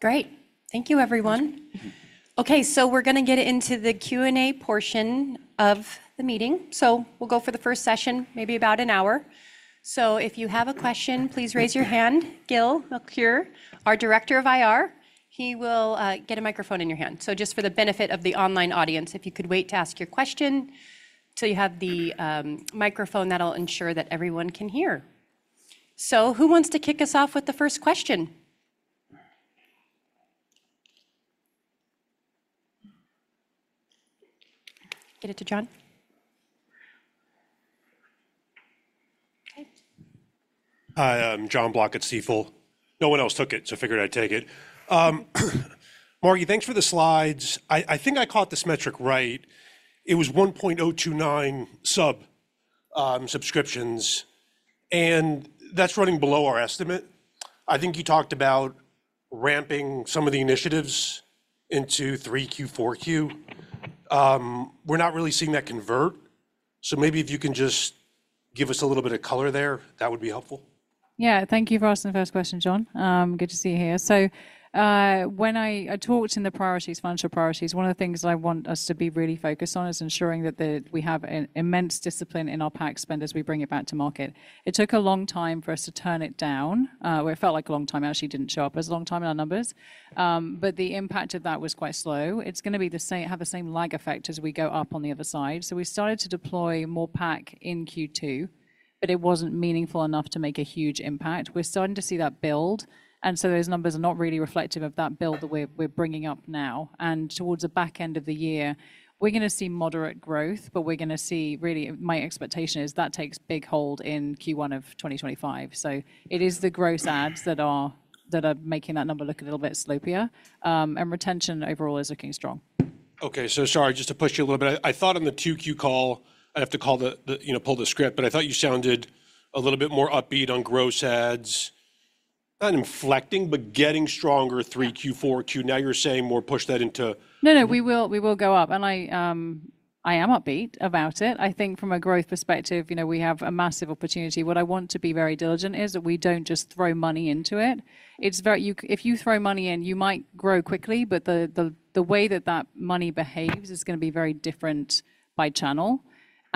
Great. Thank you, everyone. Okay, so we're gonna get into the Q&A portion of the meeting. So we'll go for the first session, maybe about an hour. So if you have a question, please raise your hand. Gil McHugh, our Director of IR, he will get a microphone in your hand. So just for the benefit of the online audience, if you could wait to ask your question till you have the microphone, that'll ensure that everyone can hear. So who wants to kick us off with the first question? Get it to John. Okay. H`i, I'm Jon Block at Stifel. No one else took it, so I figured I'd take it. Margi, thanks for the slides. I think I caught this metric right. It was one point zero two nine sub subscriptions, and that's running below our estimate. I think you talked about ramping some of the initiatives into 3Q, 4Q. We're not really seeing that convert, so maybe if you can just give us a little bit of color there, that would be helpful. Yeah, thank you for asking the first question, John. Good to see you here. So when I talked in the priorities, financial priorities, one of the things that I want us to be really focused on is ensuring that we have an immense discipline in our PAC spend as we bring it back to market. It took a long time for us to turn it down. Well, it felt like a long time. It actually didn't show up as a long time in our numbers, but the impact of that was quite slow. It's gonna be the same, have the same lag effect as we go up on the other side. So we started to deploy more PAC in Q2, but it wasn't meaningful enough to make a huge impact. We're starting to see that build, and so those numbers are not really reflective of that build that we're bringing up now. And towards the back end of the year, we're gonna see moderate growth, but we're gonna see... Really, my expectation is that takes big hold in Q1 of 2025. So it is the gross adds that are making that number look a little bit sloppier. And retention overall is looking strong. Okay, so sorry, just to push you a little bit. I thought on the 2Q call, I'd have to call the, you know, pull the script, but I thought you sounded a little bit more upbeat on gross adds. Not inflecting, but getting stronger, 3Q, 4Q. Now, you're saying more push that into- No, no, we will, we will go up, and I am upbeat about it. I think from a growth perspective, you know, we have a massive opportunity. What I want to be very diligent is that we don't just throw money into it. It's very. If you throw money in, you might grow quickly, but the way that that money behaves is gonna be very different by channel,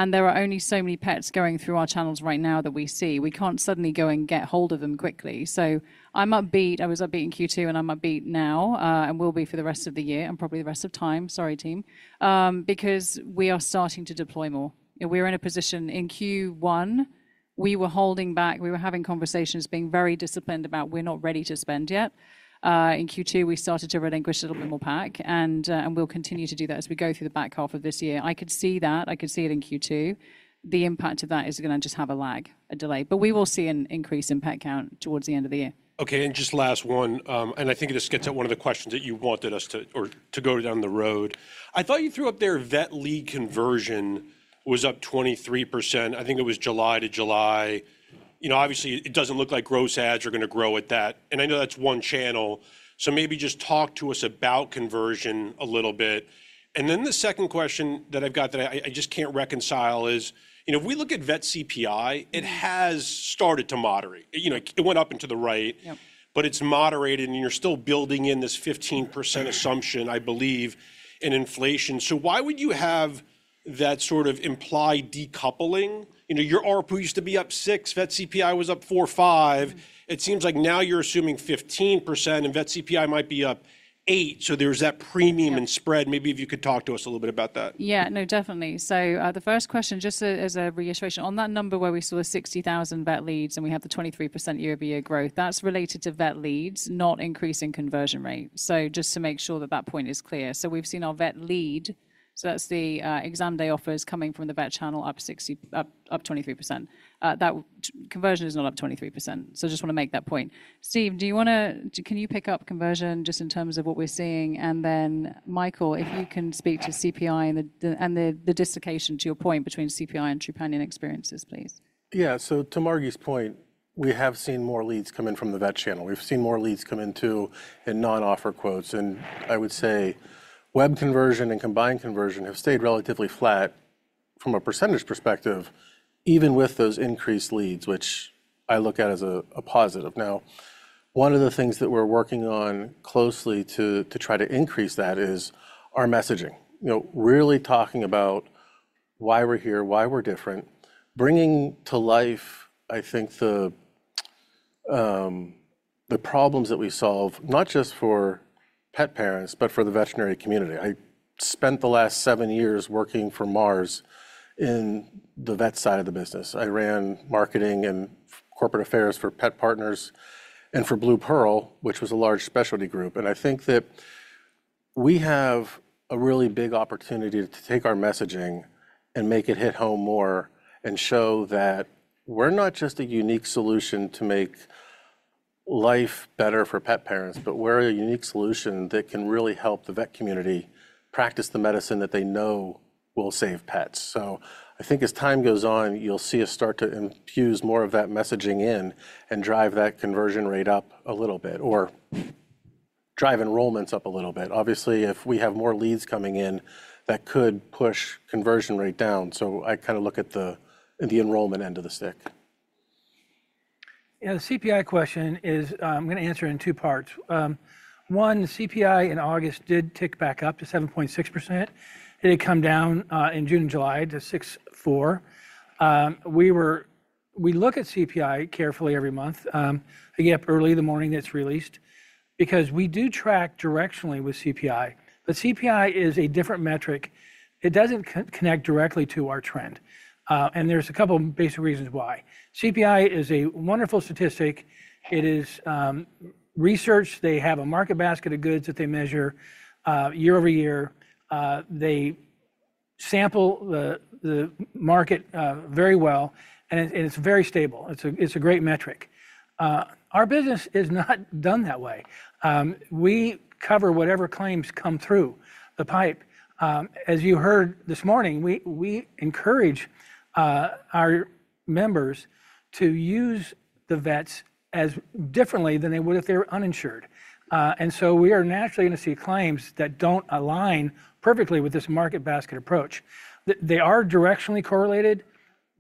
and there are only so many pets going through our channels right now that we see. We can't suddenly go and get hold of them quickly. So I'm upbeat. I was upbeat in Q2, and I'm upbeat now, and will be for the rest of the year, and probably the rest of time, sorry, team, because we are starting to deploy more. We're in a position. In Q1, we were holding back. We were having conversations, being very disciplined about we're not ready to spend yet. In Q2, we started to relinquish it a little more back, and we'll continue to do that as we go through the back half of this year. I could see that. I could see it in Q2. The impact of that is gonna just have a lag, a delay, but we will see an increase in pet count towards the end of the year. Okay, and just last one. And I think this gets at one of the questions that you wanted us to- or to go down the road. I thought you threw up there vet lead conversion was up 23%. I think it was July to July. You know, obviously, it doesn't look like gross ads are gonna grow with that, and I know that's one channel. So maybe just talk to us about conversion a little bit. And then the second question that I've got that I, I just can't reconcile is, you know, if we look at vet CPI, it has started to moderate. You know, it went up and to the right- Yep... but it's moderated, and you're still building in this 15% assumption, I believe, in inflation. So why would you have that sort of implied decoupling? You know, your ARPU used to be up 6, vet CPI was up 4, 5. It seems like now you're assuming 15%, and vet CPI might be up 8, so there's that premium- Yep... and spread. Maybe if you could talk to us a little bit about that? Yeah, no, definitely. So, the first question, just as a reiteration, on that number where we saw 60,000 vet leads, and we had the 23% year-over-year growth, that's related to vet leads, not increase in conversion rate. So just to make sure that that point is clear. So we've seen our vet lead, so that's the exam day offers coming from the vet channel up 23%. That conversion is not up 23%, so just wanna make that point. Steve, do you wanna... Can you pick up conversion just in terms of what we're seeing? And then, Michael, if you can speak to CPI and the dislocation, to your point, between CPI and Trupanion experiences, please. Yeah, so to Margi's point, we have seen more leads come in from the vet channel. We've seen more leads come in, too, in non-offer quotes, and I would say web conversion and combined conversion have stayed relatively flat from a percentage perspective, even with those increased leads, which I look at as a positive. Now, one of the things that we're working on closely to try to increase that is our messaging. You know, really talking about why we're here, why we're different, bringing to life, I think, the problems that we solve, not just for pet parents, but for the veterinary community. I spent the last seven years working for Mars in the vet side of the business. I ran marketing and corporate affairs for PetPartners and for BluePearl, which was a large specialty group, and I think that we have a really big opportunity to take our messaging and make it hit home more and show that we're not just a unique solution to make life better for pet parents, but we're a unique solution that can really help the vet community practice the medicine that they know will save pets. So I think as time goes on, you'll see us start to infuse more of that messaging in and drive that conversion rate up a little bit, or drive enrollments up a little bit. Obviously, if we have more leads coming in, that could push conversion rate down, so I kinda look at the enrollment end of the stick. Yeah, the CPI question is. I'm gonna answer it in two parts. One, CPI in August did tick back up to 7.6%. It had come down in June and July to 6.4%. We look at CPI carefully every month. I get up early the morning it's released because we do track directionally with CPI, but CPI is a different metric. It doesn't connect directly to our trend, and there's a couple basic reasons why. CPI is a wonderful statistic. It is research. They have a market basket of goods that they measure year over year. They sample the market very well, and it, it's very stable. It's a great metric. Our business is not done that way. We cover whatever claims come through the pipe. As you heard this morning, we encourage our members to use the vets differently than they would if they were uninsured. And so we are naturally gonna see claims that don't align perfectly with this market basket approach. They are directionally correlated,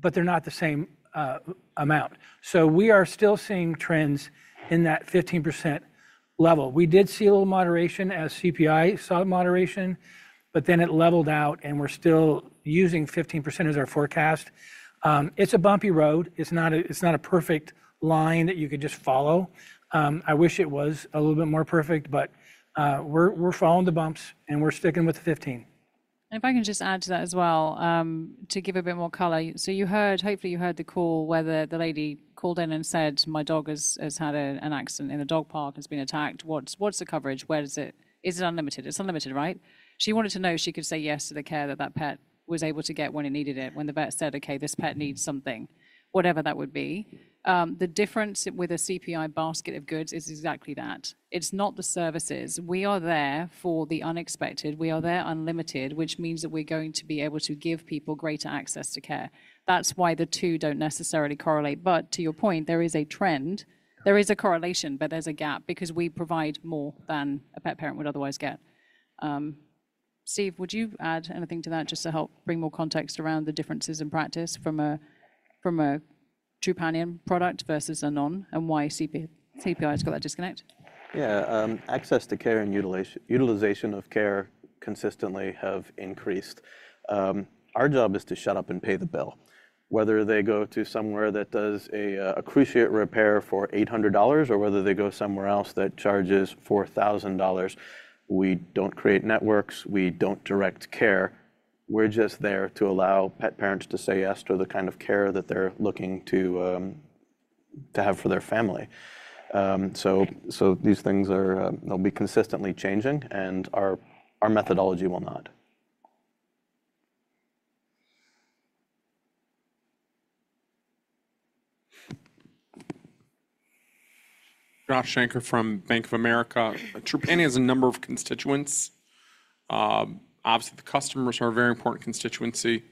but they're not the same amount. So we are still seeing trends in that 15% level. We did see a little moderation as CPI saw moderation, but then it leveled out, and we're still using 15% as our forecast. It's a bumpy road. It's not a perfect line that you could just follow. I wish it was a little bit more perfect, but we're following the bumps, and we're sticking with the 15%. If I can just add to that as well, to give a bit more color. So you heard, hopefully, you heard the call where the lady called in and said, "My dog has had an accident in the dog park, has been attacked. What's the coverage? Where is it? Is it unlimited? It's unlimited, right?" She wanted to know she could say yes to the care that that pet was able to get when it needed it, when the vet said, "Okay, this pet needs something," whatever that would be. The difference with a CPI basket of goods is exactly that. It's not the services. We are there for the unexpected. We are there unlimited, which means that we're going to be able to give people greater access to care. That's why the two don't necessarily correlate, but to your point, there is a trend. There is a correlation, but there's a gap because we provide more than a pet parent would otherwise get. Steve, would you add anything to that just to help bring more context around the differences in practice from a Trupanion product versus a non, and why CPI's got that disconnect? Access to care and utilization of care consistently have increased. Our job is to shut up and pay the bill. Whether they go to somewhere that does a cruciate repair for $800, or whether they go somewhere else that charges $4,000, we don't create networks, we don't direct care. We're just there to allow pet parents to say yes to the kind of care that they're looking to.... to have for their family. So these things are, they'll be consistently changing, and our methodology will not. Josh Shanker from Bank of America. Trupanion has a number of constituents. Obviously, the customers are a very important constituency.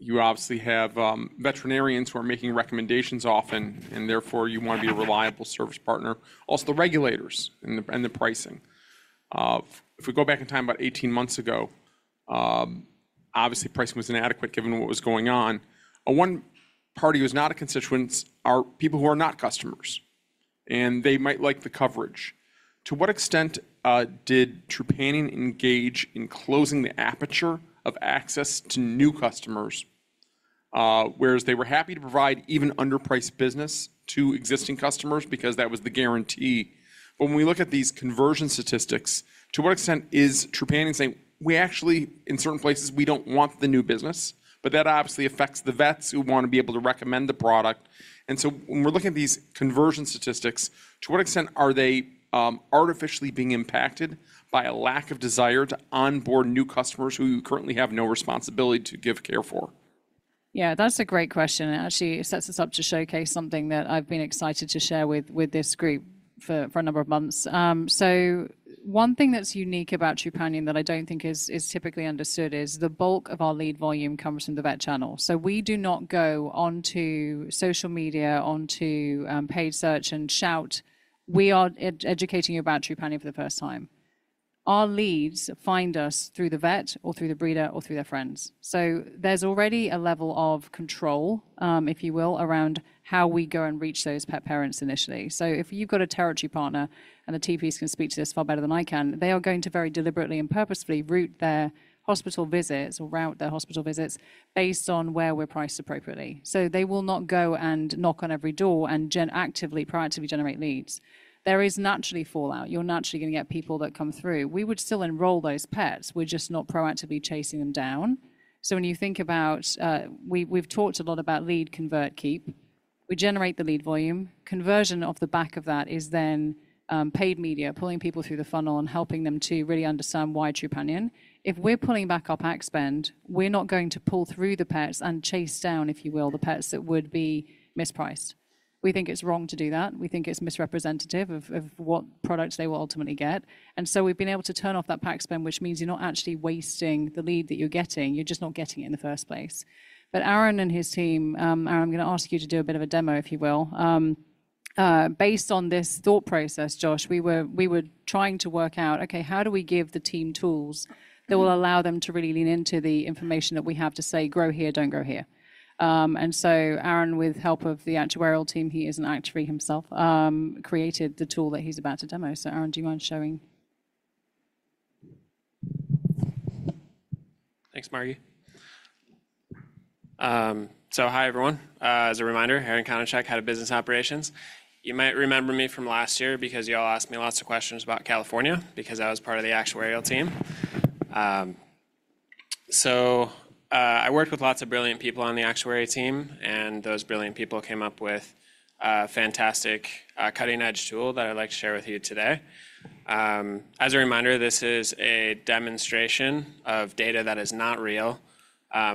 You obviously have, veterinarians who are making recommendations often, and therefore you want to be a reliable service partner. Also, the regulators and the, and the pricing. If we go back in time, about eighteen months ago, obviously pricing was inadequate given what was going on. One party who's not a constituents are people who are not customers, and they might like the coverage. To what extent, did Trupanion engage in closing the aperture of access to new customers? Whereas they were happy to provide even underpriced business to existing customers because that was the guarantee. But when we look at these conversion statistics, to what extent is Trupanion saying, "We actually, in certain places, we don't want the new business"? But that obviously affects the vets who want to be able to recommend the product. And so when we're looking at these conversion statistics, to what extent are they artificially being impacted by a lack of desire to onboard new customers who you currently have no responsibility to give care for? Yeah, that's a great question, and actually it sets us up to showcase something that I've been excited to share with this group for a number of months. So one thing that's unique about Trupanion that I don't think is typically understood is the bulk of our lead volume comes from the vet channel. So we do not go onto social media, onto paid search and shout, "We are educating you about Trupanion for the first time." Our leads find us through the vet or through the breeder or through their friends. So there's already a level of control, if you will, around how we go and reach those pet parents initially. If you've got a Territory Partner, and the TPs can speak to this far better than I can, they are going to very deliberately and purposefully route their hospital visits based on where we're priced appropriately. They will not go and knock on every door and actively, proactively generate leads. There is naturally fallout. You're naturally gonna get people that come through. We would still enroll those pets. We're just not proactively chasing them down. When you think about, we, we've talked a lot about lead convert keep. We generate the lead volume. Conversion off the back of that is then paid media, pulling people through the funnel and helping them to really understand why Trupanion. If we're pulling back our PAC spend, we're not going to pull through the pets and chase down, if you will, the pets that would be mispriced. We think it's wrong to do that. We think it's misrepresentative of what products they will ultimately get. And so we've been able to turn off that PAC spend, which means you're not actually wasting the lead that you're getting, you're just not getting it in the first place. But Aaron and his team, Aaron, I'm gonna ask you to do a bit of a demo, if you will. Based on this thought process, Josh, we were trying to work out, okay, how do we give the team tools that will allow them to really lean into the information that we have to say, "Grow here, don't grow here"? And so Aaron, with help of the actuarial team, he is an actuary himself, created the tool that he's about to demo. So, Aaron, do you mind showing? Thanks, Margi. Hi, everyone. As a reminder, Aaron Konopasek, head of Business Operations. You might remember me from last year because you all asked me lots of questions about California, because I was part of the actuarial team. I worked with lots of brilliant people on the actuarial team, and those brilliant people came up with a fantastic, cutting-edge tool that I'd like to share with you today. As a reminder, this is a demonstration of data that is not real,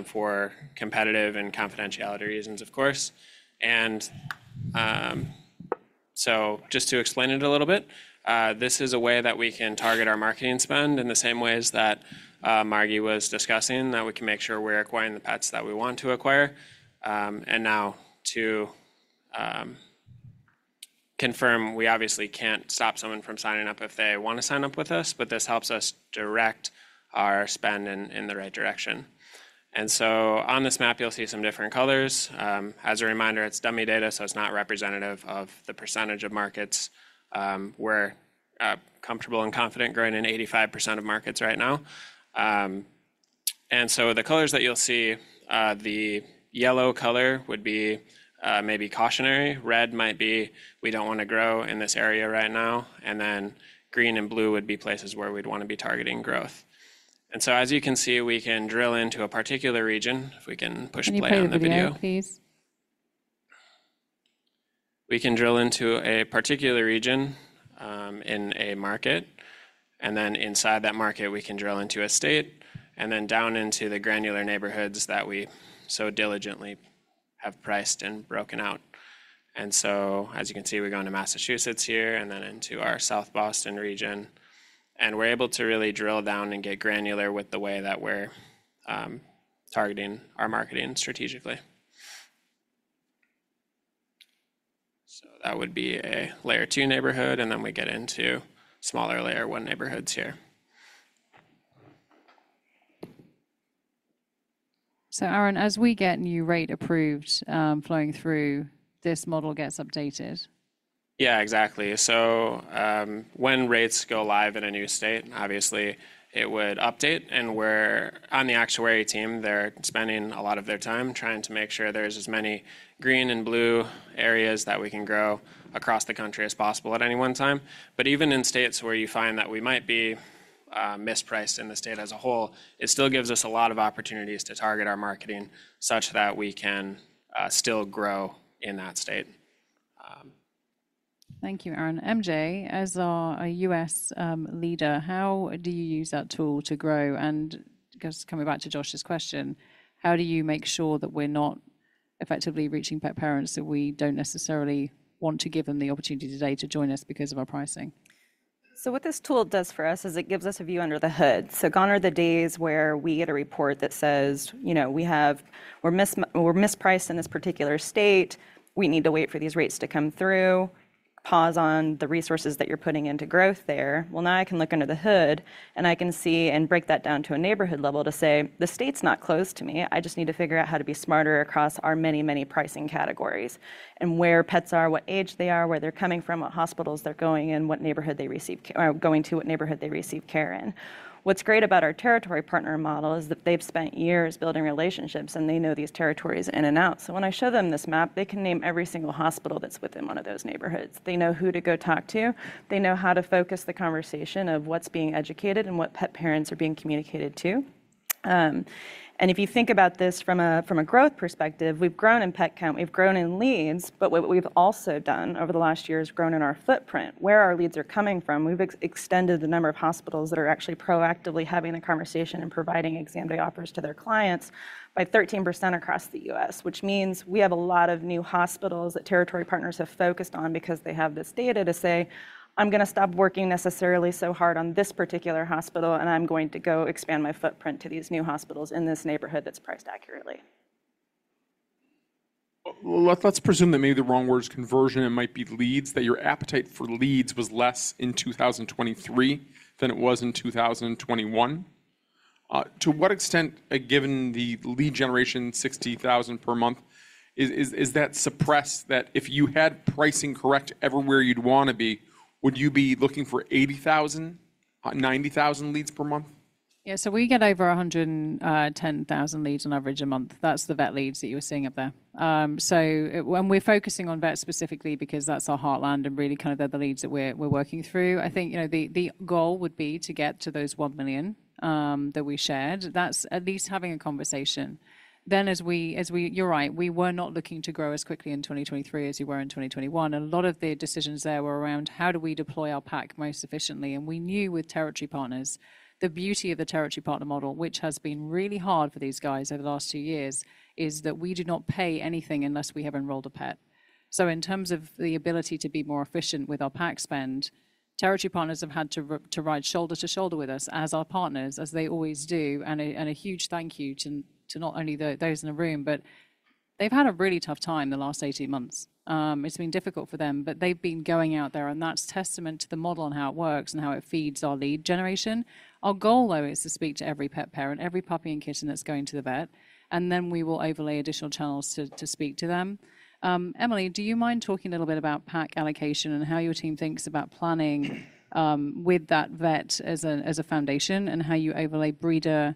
for competitive and confidentiality reasons, of course. Just to explain it a little bit, this is a way that we can target our marketing spend in the same ways that Margi was discussing, that we can make sure we're acquiring the pets that we want to acquire. And now to confirm, we obviously can't stop someone from signing up if they want to sign up with us, but this helps us direct our spend in the right direction. And so on this map, you'll see some different colors. As a reminder, it's dummy data, so it's not representative of the percentage of markets. We're comfortable and confident growing in 85% of markets right now. And so the colors that you'll see, the yellow color would be maybe cautionary, red might be, we don't want to grow in this area right now, and then green and blue would be places where we'd want to be targeting growth. And so as you can see, we can drill into a particular region. If we can push play on the video. Can you play the video, please? We can drill into a particular region, in a market, and then inside that market, we can drill into a state, and then down into the granular neighborhoods that we so diligently have priced and broken out. And so, as you can see, we go into Massachusetts here and then into our South Boston region, and we're able to really drill down and get granular with the way that we're targeting our marketing strategically. So that would be a layer two neighborhood, and then we get into smaller layer one neighborhoods here. So, Aaron, as we get new rate approved, flowing through, this model gets updated. Yeah, exactly. So, when rates go live in a new state, obviously it would update, and we're... On the actuarial team, they're spending a lot of their time trying to make sure there's as many green and blue areas that we can grow across the country as possible at any one time. But even in states where you find that we might be-... mispriced in the state as a whole, it still gives us a lot of opportunities to target our marketing, such that we can still grow in that state. Thank you, Aaron. MJ, as our US leader, how do you use that tool to grow? And I guess coming back to Josh's question, how do you make sure that we're not effectively reaching pet parents, that we don't necessarily want to give them the opportunity today to join us because of our pricing? So what this tool does for us is it gives us a view under the hood. So gone are the days where we get a report that says, "You know, we're mispriced in this particular state. We need to wait for these rates to come through, pause on the resources that you're putting into growth there." Well, now I can look under the hood, and I can see and break that down to a neighborhood level to say, "The state's not closed to me. I just need to figure out how to be smarter across our many, many pricing categories, and where pets are, what age they are, where they're coming from, what hospitals they're going in, what neighborhood they receive care or going to, what neighborhood they receive care in. What's great about our Territory Partner model is that they've spent years building relationships, and they know these territories in and out. So when I show them this map, they can name every single hospital that's within one of those neighborhoods. They know who to go talk to. They know how to focus the conversation of what's being educated and what pet parents are being communicated to. And if you think about this from a growth perspective, we've grown in pet count, we've grown in leads, but what we've also done over the last year is grown in our footprint, where our leads are coming from. We've extended the number of hospitals that are actually proactively having the conversation and providing exam day offers to their clients by 13% across the U.S., which means we have a lot of new hospitals that Territory Partners have focused on because they have this data to say, "I'm gonna stop working necessarily so hard on this particular hospital, and I'm going to go expand my footprint to these new hospitals in this neighborhood that's priced accurately. Let's presume that maybe the wrong word is conversion, it might be leads, that your appetite for leads was less in 2023 than it was in 2021. To what extent, given the lead generation sixty thousand per month, is that suppressed that if you had pricing correct everywhere you'd wanna be, would you be looking for eighty thousand, ninety thousand leads per month? Yeah, so we get over 110,000 leads on average a month. That's the vet leads that you were seeing up there. So when we're focusing on vets specifically because that's our heartland and really kind of they're the leads that we're working through, I think, you know, the goal would be to get to those 1 million that we shared. That's at least having a conversation. Then, as we... You're right, we were not looking to grow as quickly in 2023 as we were in 2021, and a lot of the decisions there were around how do we deploy our PAC most efficiently, and we knew with Territory Partners, the beauty of the Territory Partner model, which has been really hard for these guys over the last two years, is that we do not pay anything unless we have enrolled a pet. So in terms of the ability to be more efficient with our PAC spend, Territory Partners have had to ride shoulder to shoulder with us as our partners, as they always do, and a huge thank you to not only those in the room, but they've had a really tough time in the last eighteen months. It's been difficult for them, but they've been going out there, and that's testament to the model and how it works and how it feeds our lead generation. Our goal, though, is to speak to every pet parent, every puppy, and kitten that's going to the vet, and then we will overlay additional channels to speak to them. Emily, do you mind talking a little bit about PAC allocation and how your team thinks about planning, with that vet as a foundation, and how you overlay breeder,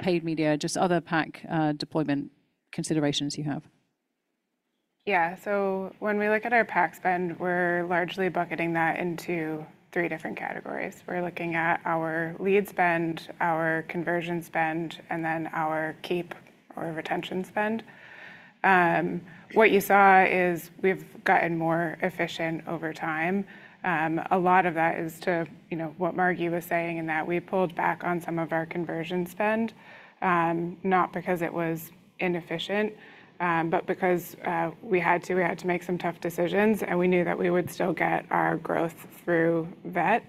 paid media, just other PAC deployment considerations you have? Yeah. So when we look at our PAC spend, we're largely bucketing that into three different categories. We're looking at our lead spend, our conversion spend, and then our keep or retention spend. What you saw is we've gotten more efficient over time. A lot of that is to, you know, what Margi was saying, and that we pulled back on some of our conversion spend, not because it was inefficient, but because we had to. We had to make some tough decisions, and we knew that we would still get our growth through vet.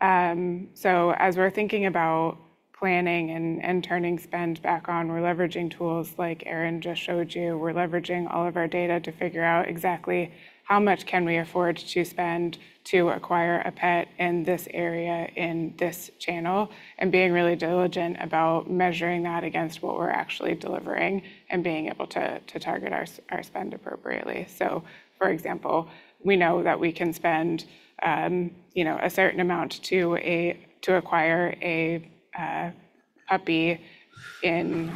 So as we're thinking about planning and turning spend back on, we're leveraging tools like Aaron just showed you. We're leveraging all of our data to figure out exactly how much can we afford to spend to acquire a pet in this area, in this channel, and being really diligent about measuring that against what we're actually delivering and being able to target our spend appropriately. So for example, we know that we can spend, you know, a certain amount to acquire a puppy in-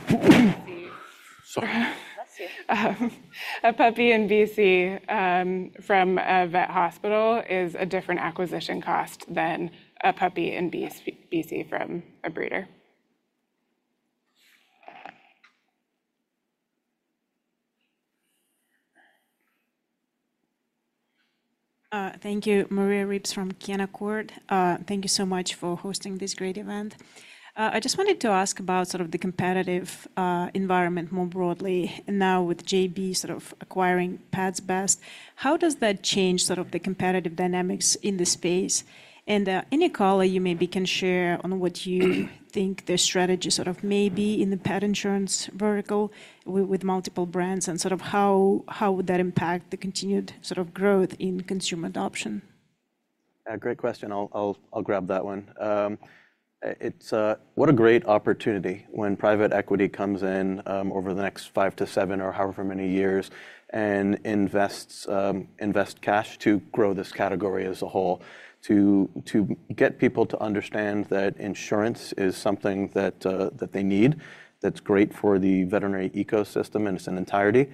Sorry. Bless you. A puppy in BC from a vet hospital is a different acquisition cost than a puppy in BC from a breeder. Thank you. Maria Ripps from Canaccord Genuity. Thank you so much for hosting this great event. I just wanted to ask about sort of the competitive, environment more broadly. Now, with JAB sort of acquiring Pets Best, how does that change sort of the competitive dynamics in the space? And, any color you maybe can share on what you think the strategy sort of may be in the pet insurance vertical with, with multiple brands, and sort of how, how would that impact the continued sort of growth in consumer adoption? Great question. I'll grab that one. It's what a great opportunity when private equity comes in over the next five to seven or however many years and invests cash to grow this category as a whole, to get people to understand that insurance is something that they need, that's great for the veterinary ecosystem in its entirety.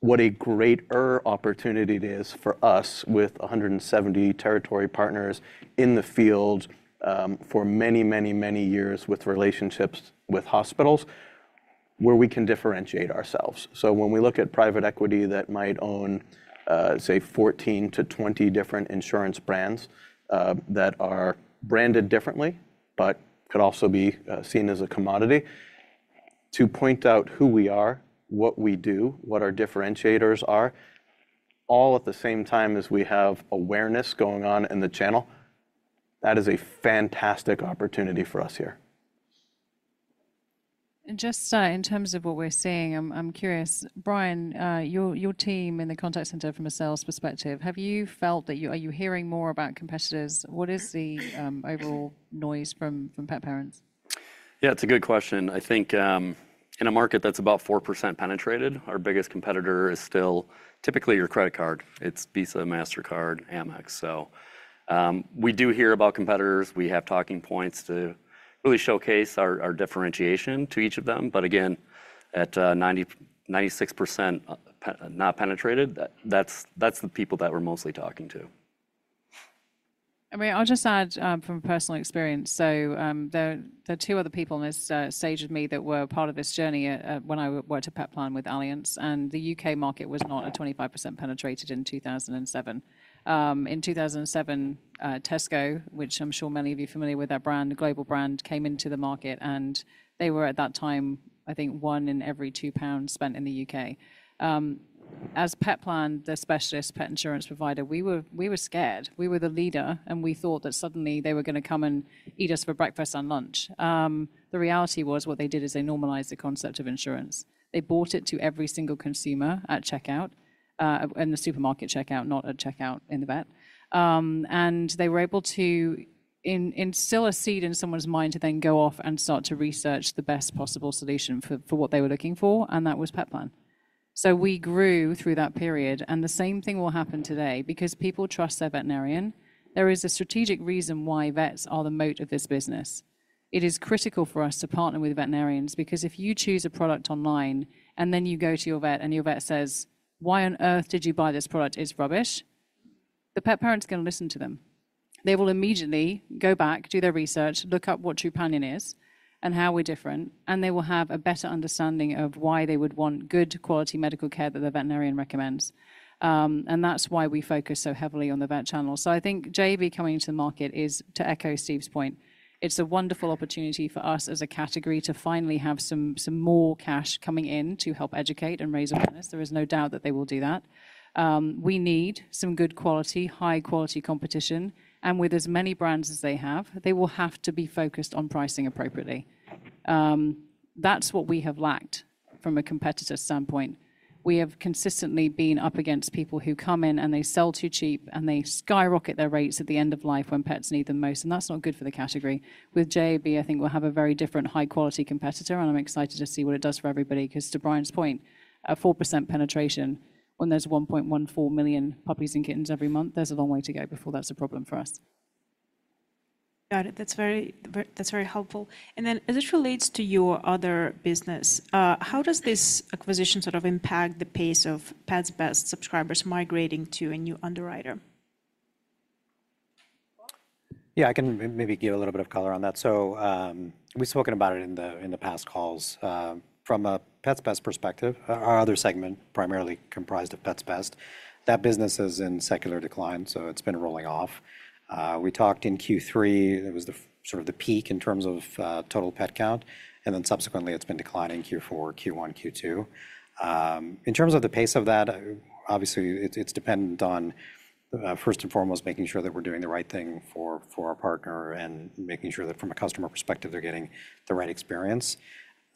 What a greater opportunity it is for us with a hundred and seventy Territory Partners in the field for many, many, many years with relationships with hospitals, where we can differentiate ourselves. So when we look at private equity that might own say fourteen to twenty different insurance brands that are branded differently, but could also be seen as a commodity. To point out who we are, what we do, what our differentiators are, all at the same time as we have awareness going on in the channel, that is a fantastic opportunity for us here. Just in terms of what we're seeing, I'm curious, Brian. Your team in the contact center from a sales perspective, have you felt that you are hearing more about competitors? What is the overall noise from pet parents? Yeah, it's a good question. I think, in a market that's about 4% penetrated, our biggest competitor is still typically your credit card. It's Visa, Mastercard, Amex. So, we do hear about competitors. We have talking points to really showcase our, our differentiation to each of them. But again, at ninety-six percent not penetrated, that's the people that we're mostly talking to. I mean, I'll just add from personal experience, so there are two other people on this stage with me that were part of this journey when I worked at Petplan with Allianz, and the UK market was not at 25% penetrated in 2007. In 2007, Tesco, which I'm sure many of you are familiar with that brand, a global brand, came into the market, and they were, at that time, I think, one in every two pounds spent in the UK. As Petplan, the specialist pet insurance provider, we were scared. We were the leader, and we thought that suddenly they were gonna come and eat us for breakfast and lunch. The reality was, what they did is they normalized the concept of insurance. They bought it to every single consumer at checkout, in the supermarket checkout, not at checkout in the vet. And they were able to instill a seed in someone's mind to then go off and start to research the best possible solution for what they were looking for, and that was Petplan. So we grew through that period, and the same thing will happen today because people trust their veterinarian. There is a strategic reason why vets are the moat of this business. It is critical for us to partner with veterinarians, because if you choose a product online, and then you go to your vet, and your vet says: "Why on earth did you buy this product? It's rubbish," the pet parent's gonna listen to them. They will immediately go back, do their research, look up what Trupanion is and how we're different, and they will have a better understanding of why they would want good quality medical care that their veterinarian recommends, and that's why we focus so heavily on the vet channel. So I think JAB coming to the market is, to echo Steve's point, it's a wonderful opportunity for us as a category to finally have some more cash coming in to help educate and raise awareness. There is no doubt that they will do that. We need some good quality, high-quality competition, and with as many brands as they have, they will have to be focused on pricing appropriately. That's what we have lacked from a competitor standpoint. We have consistently been up against people who come in, and they sell too cheap, and they skyrocket their rates at the end of life when pets need the most, and that's not good for the category. With JAB, I think we'll have a very different high-quality competitor, and I'm excited to see what it does for everybody, 'cause to Brian's point, a 4% penetration when there's 1.14 million puppies and kittens every month, there's a long way to go before that's a problem for us. Got it. That's very helpful. And then as it relates to your other business, how does this acquisition sort of impact the pace of Pets Best subscribers migrating to a new underwriter? Yeah, I can maybe give a little bit of color on that. So, we've spoken about it in the past calls. From a Pets Best perspective, our other segment, primarily comprised of Pets Best, that business is in secular decline, so it's been rolling off. We talked in Q3, it was the sort of the peak in terms of total pet count, and then subsequently, it's been declining Q4, Q1, Q2. In terms of the pace of that, obviously, it's dependent on first and foremost, making sure that we're doing the right thing for our partner and making sure that from a customer perspective, they're getting the right experience.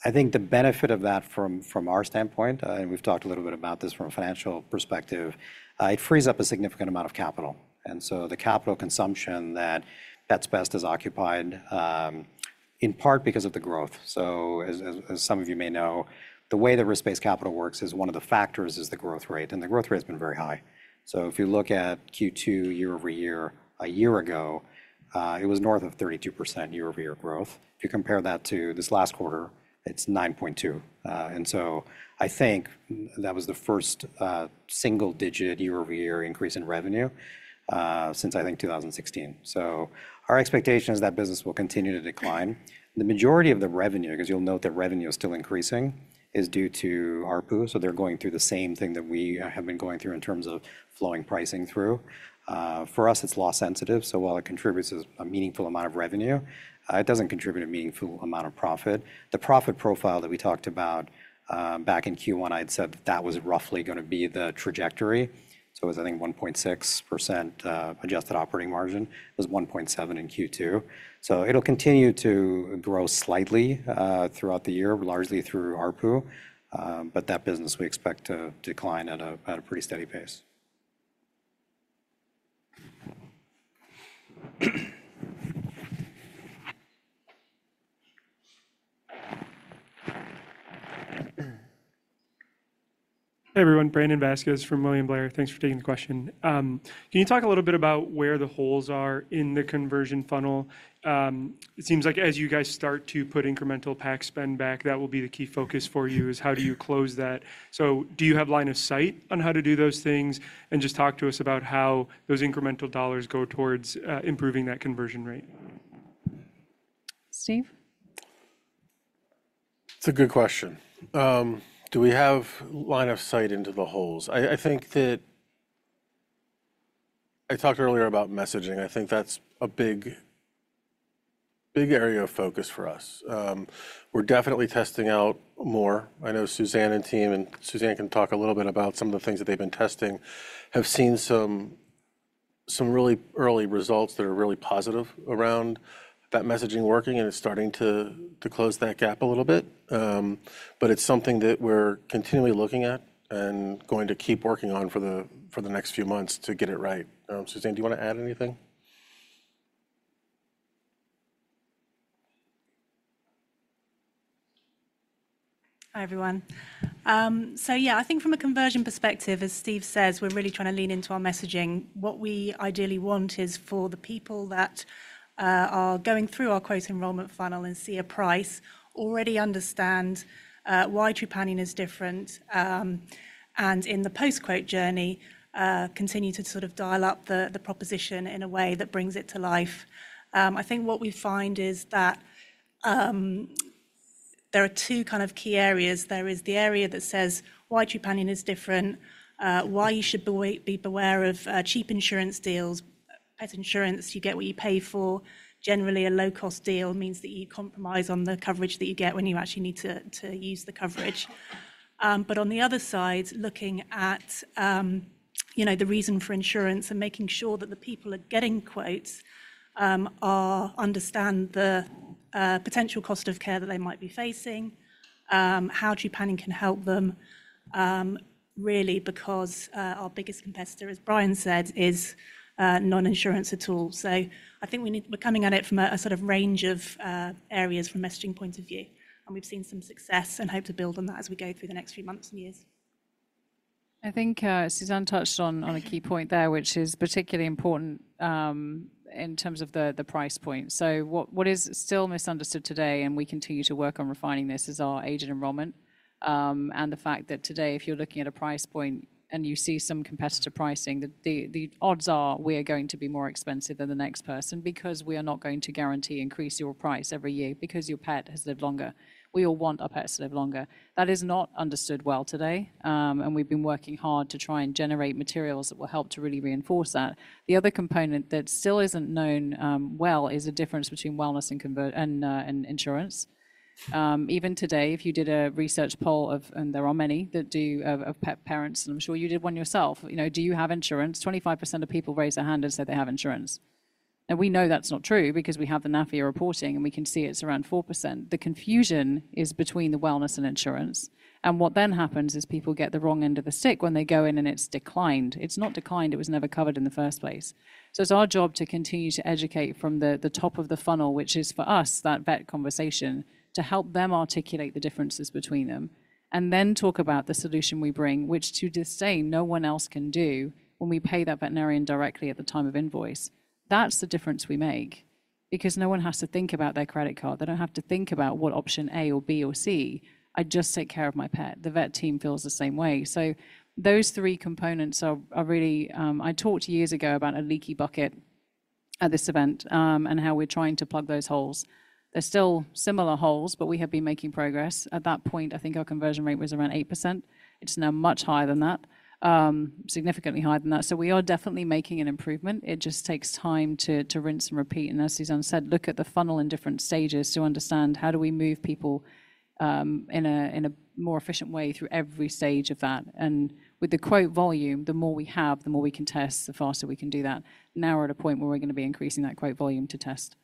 I think the benefit of that from our standpoint, and we've talked a little bit about this from a financial perspective, it frees up a significant amount of capital, and so the capital consumption that Pets Best has occupied, in part because of the growth. So as some of you may know, the way the risk-based capital works is one of the factors is the growth rate, and the growth rate has been very high. So if you look at Q2 year over year, a year ago, it was north of 32% year-over-year growth. If you compare that to this last quarter, it's 9.2%. And so I think that was the first single digit year-over-year increase in revenue, since, I think, 2016. So our expectation is that business will continue to decline. The majority of the revenue, 'cause you'll note that revenue is still increasing, is due to ARPU, so they're going through the same thing that we have been going through in terms of flowing pricing through. For us, it's loss sensitive, so while it contributes a meaningful amount of revenue, it doesn't contribute a meaningful amount of profit. The profit profile that we talked about back in Q1, I'd said that was roughly gonna be the trajectory, so it was, I think, 1.6% adjusted operating margin. It was 1.7% in Q2. So it'll continue to grow slightly throughout the year, largely through ARPU, but that business we expect to decline at a pretty steady pace.... Hey, everyone, Brandon Vazquez from William Blair. Thanks for taking the question. Can you talk a little bit about where the holes are in the conversion funnel? It seems like as you guys start to put incremental PAC spend back, that will be the key focus for you, is how do you close that? So do you have line of sight on how to do those things? And just talk to us about how those incremental dollars go towards improving that conversion rate. Steve? It's a good question. Do we have line of sight into the holes? I think that I talked earlier about messaging, and I think that's a big, big area of focus for us. We're definitely testing out more. I know Suzanne and team, and Suzanne can talk a little bit about some of the things that they've been testing. They have seen some really early results that are really positive around that messaging working, and it's starting to close that gap a little bit. But it's something that we're continually looking at and going to keep working on for the next few months to get it right. Suzanne, do you want to add anything? Hi, everyone. So yeah, I think from a conversion perspective, as Steve says, we're really trying to lean into our messaging. What we ideally want is for the people that are going through our quote enrollment funnel and see a price already understand why Trupanion is different, and in the post-quote journey, continue to sort of dial up the proposition in a way that brings it to life. I think what we find is that there are two kind of key areas. There is the area that says why Trupanion is different, why you should beware of cheap insurance deals. Pet insurance, you get what you pay for. Generally, a low-cost deal means that you compromise on the coverage that you get when you actually need to use the coverage. But on the other side, looking at, you know, the reason for insurance and making sure that the people are getting quotes, understand the potential cost of care that they might be facing, how Trupanion can help them, really because our biggest competitor, as Brian said, is non-insurance at all. So I think we need. We're coming at it from a sort of range of areas from a messaging point of view, and we've seen some success and hope to build on that as we go through the next few months and years. I think, Suzanne touched on a key point there, which is particularly important in terms of the price point. So what is still misunderstood today, and we continue to work on refining this, is our age enrollment, and the fact that today, if you're looking at a price point and you see some competitor pricing, the odds are we are going to be more expensive than the next person because we are not going to guarantee increase your price every year because your pet has lived longer. We all want our pets to live longer. That is not understood well today, and we've been working hard to try and generate materials that will help to really reinforce that. The other component that still isn't known well is the difference between wellness and insurance. Even today, if you did a research poll of pet parents, and there are many that do, and I'm sure you did one yourself. You know, do you have insurance? 25% of people raise their hand and say they have insurance, and we know that's not true because we have the NAPHIA reporting, and we can see it's around 4%. The confusion is between the wellness and insurance, and what then happens is people get the wrong end of the stick when they go in and it's declined. It's not declined. It was never covered in the first place. So it's our job to continue to educate from the top of the funnel, which is, for us, that vet conversation, to help them articulate the differences between them and then talk about the solution we bring, which to this day, no one else can do when we pay that veterinarian directly at the time of invoice. That's the difference we make because no one has to think about their credit card. They don't have to think about what option A or B or C. I just take care of my pet. The vet team feels the same way. So those three components are really. I talked years ago about a leaky bucket at this event, and how we're trying to plug those holes. They're still similar holes, but we have been making progress. At that point, I think our conversion rate was around 8%. It's now much higher than that, significantly higher than that. So we are definitely making an improvement. It just takes time to rinse and repeat, and as Suzanne said, look at the funnel in different stages to understand how do we move people in a more efficient way through every stage of that. And with the quote volume, the more we have, the more we can test, the faster we can do that. Now we're at a point where we're going to be increasing that quote volume to test.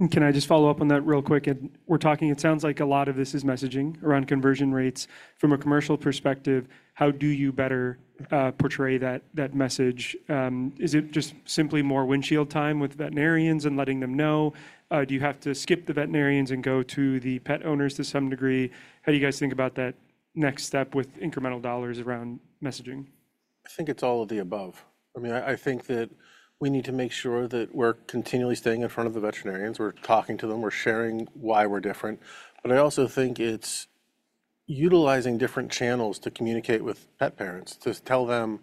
And can I just follow up on that real quick? And we're talking, it sounds like a lot of this is messaging around conversion rates. From a commercial perspective, how do you better portray that message? Is it just simply more windshield time with veterinarians and letting them know? Do you have to skip the veterinarians and go to the pet owners to some degree? How do you guys think about that next step with incremental dollars around messaging? I think it's all of the above. I mean, I think that we need to make sure that we're continually staying in front of the veterinarians. We're talking to them, we're sharing why we're different, but I also think it's utilizing different channels to communicate with pet parents, to tell them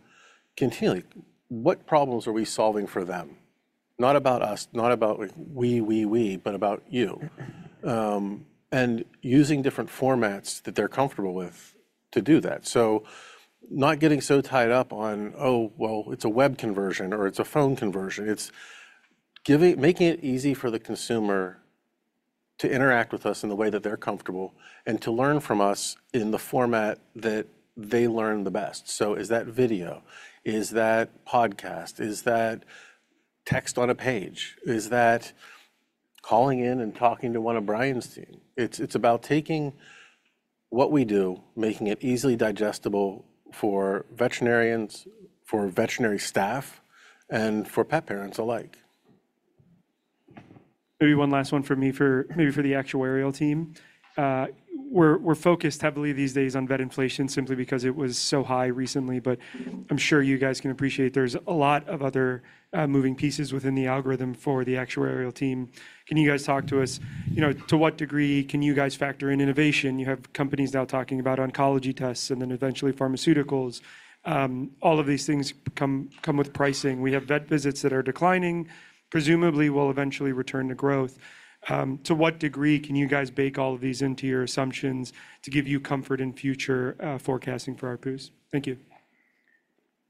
continually what problems are we solving for them, not about us, not about like we, but about you. And using different formats that they're comfortable with to do that, so not getting so tied up on, "Oh, well, it's a web conversion," or, "It's a phone conversion." It's giving making it easy for the consumer to interact with us in the way that they're comfortable and to learn from us in the format that they learn the best, so is that video? Is that podcast? Is that text on a page? Is that calling in and talking to one of Brian's team? It's about taking what we do, making it easily digestible for veterinarians, for veterinary staff, and for pet parents alike.... Maybe one last one for me, maybe for the actuarial team. We're focused heavily these days on vet inflation simply because it was so high recently, but I'm sure you guys can appreciate there's a lot of other moving pieces within the algorithm for the actuarial team. Can you guys talk to us, you know, to what degree can you guys factor in innovation? You have companies now talking about oncology tests, and then eventually pharmaceuticals. All of these things come with pricing. We have vet visits that are declining, presumably will eventually return to growth. To what degree can you guys bake all of these into your assumptions to give you comfort in future forecasting for our pools? Thank you.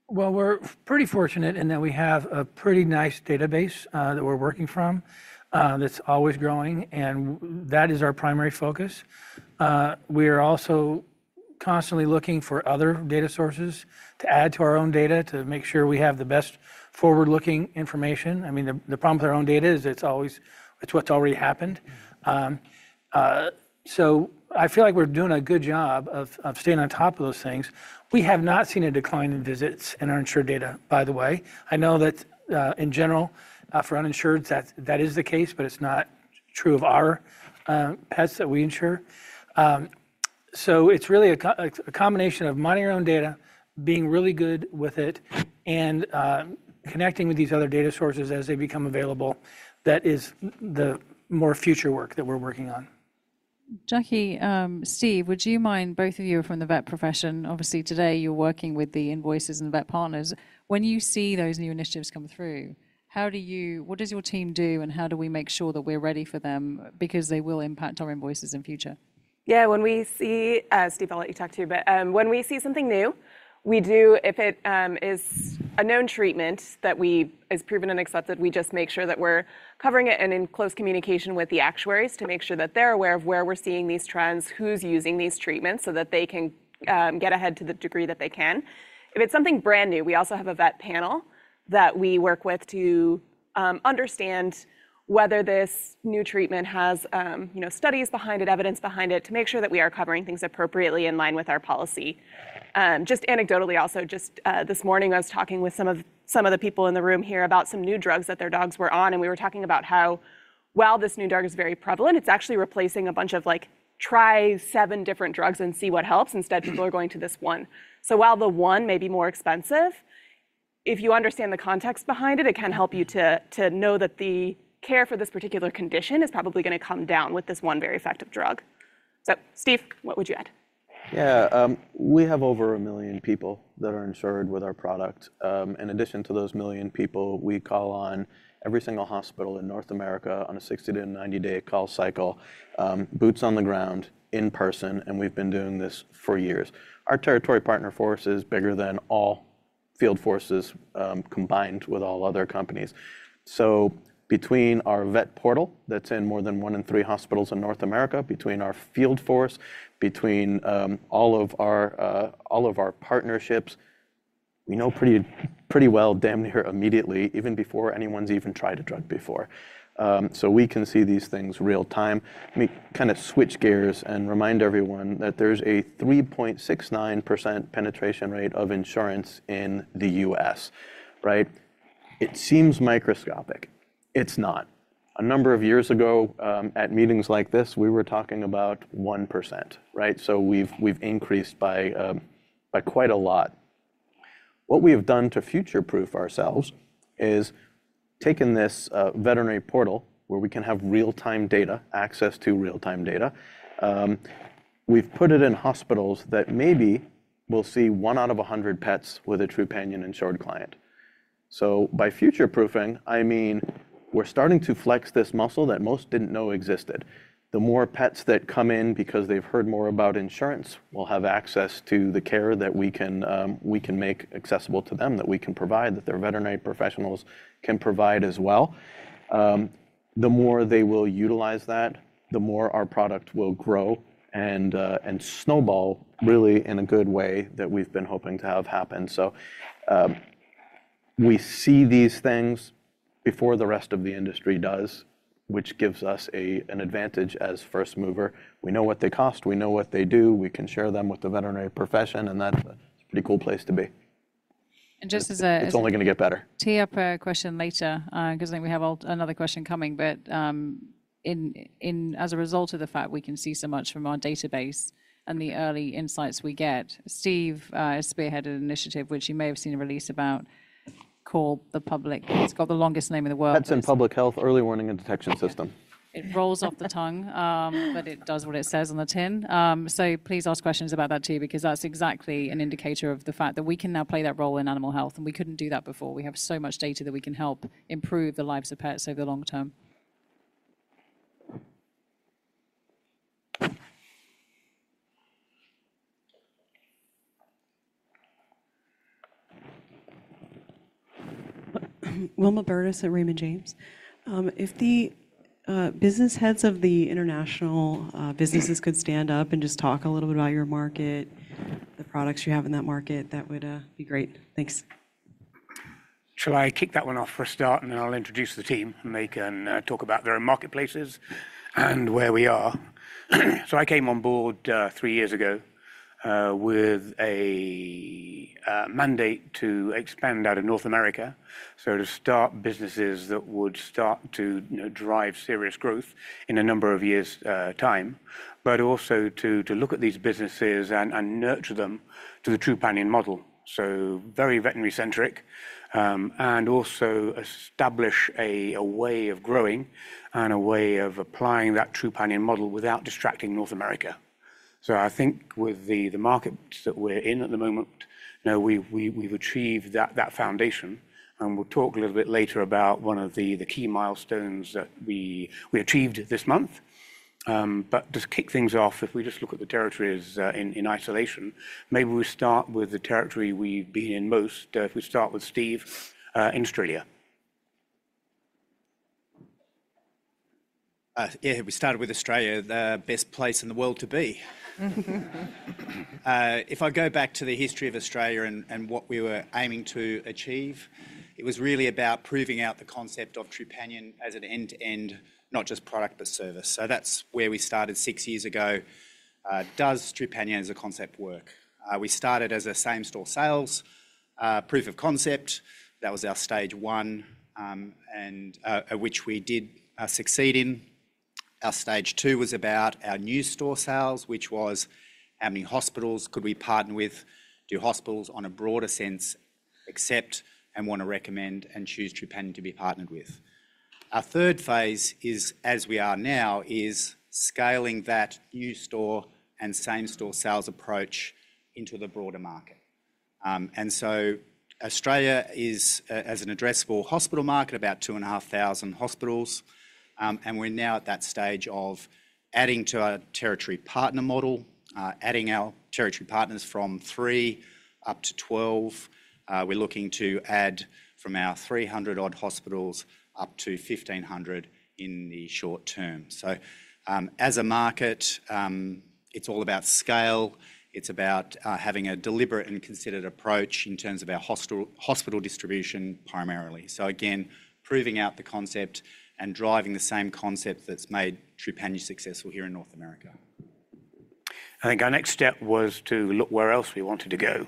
We're pretty fortunate in that we have a pretty nice database that we're working from that's always growing, and that is our primary focus. We are also constantly looking for other data sources to add to our own data, to make sure we have the best forward-looking information. I mean, the problem with our own data is it's always, it's what's already happened, so I feel like we're doing a good job of staying on top of those things. We have not seen a decline in visits in our insured data, by the way. I know that in general for uninsureds that is the case, but it's not true of our pets that we insure. So it's really a combination of monitoring our own data, being really good with it, and connecting with these other data sources as they become available. That is the more future work that we're working on. Jackie, Steve, would you mind, both of you are from the vet profession. Obviously, today you're working with the invoices and the vet partners. When you see those new initiatives come through, how do you, what does your team do, and how do we make sure that we're ready for them? Because they will impact our invoices in future. Yeah, when we see Steve, I'll let you talk to you, but when we see something new, we do if it is a known treatment that is proven and accepted, we just make sure that we're covering it and in close communication with the actuaries to make sure that they're aware of where we're seeing these trends, who's using these treatments, so that they can get ahead to the degree that they can. If it's something brand new, we also have a vet panel that we work with to understand whether this new treatment has you know studies behind it, evidence behind it, to make sure that we are covering things appropriately in line with our policy. Just anecdotally, also, just this morning, I was talking with some of the people in the room here about some new drugs that their dogs were on, and we were talking about how while this new drug is very prevalent, it's actually replacing a bunch of, like, try seven different drugs and see what helps. Instead, people are going to this one. So while the one may be more expensive, if you understand the context behind it, it can help you to know that the care for this particular condition is probably gonna come down with this one very effective drug. So, Steve, what would you add? Yeah, we have over a million people that are insured with our product. In addition to those million people, we call on every single hospital in North America on a 60-to-90-day call cycle, boots on the ground, in person, and we've been doing this for years. Our Territory Partner force is bigger than all field forces, combined with all other companies. So between our Vet Portal, that's in more than one in three hospitals in North America, between our field force, between all of our partnerships, we know pretty well damn near immediately, even before anyone's even tried a drug before. So we can see these things real time. Let me kind of switch gears and remind everyone that there's a 3.69% penetration rate of insurance in the U.S., right? It seems microscopic. It's not. A number of years ago, at meetings like this, we were talking about 1%, right? So we've increased by quite a lot. What we have done to future-proof ourselves is taken this Vet Portal, where we can have real-time data, access to real-time data. We've put it in hospitals that maybe will see one out of a hundred pets with a Trupanion-insured client. So by future-proofing, I mean, we're starting to flex this muscle that most didn't know existed. The more pets that come in because they've heard more about insurance will have access to the care that we can make accessible to them, that we can provide, that their veterinary professionals can provide as well. The more they will utilize that, the more our product will grow and snowball really in a good way that we've been hoping to have happen, so we see these things before the rest of the industry does, which gives us an advantage as first mover. We know what they cost, we know what they do, we can share them with the veterinary profession, and that's a pretty cool place to be. And just as a- It's only gonna get better. Tee up a question later, 'cause I think we have another question coming, but, as a result of the fact we can see so much from our database and the early insights we get, Steve has spearheaded an initiative, which you may have seen a release about, called the Public... It's got the longest name in the world. Pets and Public Health Early Warning and Detection System. It rolls off the tongue, but it does what it says on the tin. So please ask questions about that, too, because that's exactly an indicator of the fact that we can now play that role in animal health, and we couldn't do that before. We have so much data that we can help improve the lives of pets over the long term. Wilma Burdis at Raymond James. If the business heads of the international businesses could stand up and just talk a little bit about your market, the products you have in that market, that would be great. Thanks. Shall I kick that one off for a start, and then I'll introduce the team, and they can talk about their marketplaces and where we are? So I came on board three years ago with a mandate to expand out of North America. So to start businesses that would start to, you know, drive serious growth in a number of years' time, but also to look at these businesses and nurture them to the Trupanion model. So very veterinary-centric and also establish a way of growing and a way of applying that Trupanion model without distracting North America. So I think with the market that we're in at the moment, now we've achieved that foundation, and we'll talk a little bit later about one of the key milestones that we achieved this month. But just kick things off, if we just look at the territories in isolation, maybe we start with the territory we've been in most, if we start with Steve in Australia. Yeah, we started with Australia, the best place in the world to be. If I go back to the history of Australia and what we were aiming to achieve, it was really about proving out the concept of Trupanion as an end-to-end, not just product, but service. So that's where we started six years ago. Does Trupanion as a concept work? We started as a same-store sales proof of concept. That was our stage one, and which we did succeed in. Our stage two was about our new store sales, which was, how many hospitals could we partner with? Do hospitals, on a broader sense, accept and want to recommend and choose Trupanion to be partnered with? Our third phase, as we are now, is scaling that new store and same-store sales approach into the broader market. and so Australia is, as an addressable hospital market, about two and a half thousand hospitals, and we're now at that stage of adding to our Territory Partner model, adding our Territory Partners from three up to 12. We're looking to add from our 300 odd hospitals up to 1,500 in the short term. So, as a market, it's all about scale. It's about, having a deliberate and considered approach in terms of our hospital distribution, primarily. So again, proving out the concept and driving the same concept that's made Trupanion successful here in North America. I think our next step was to look where else we wanted to go,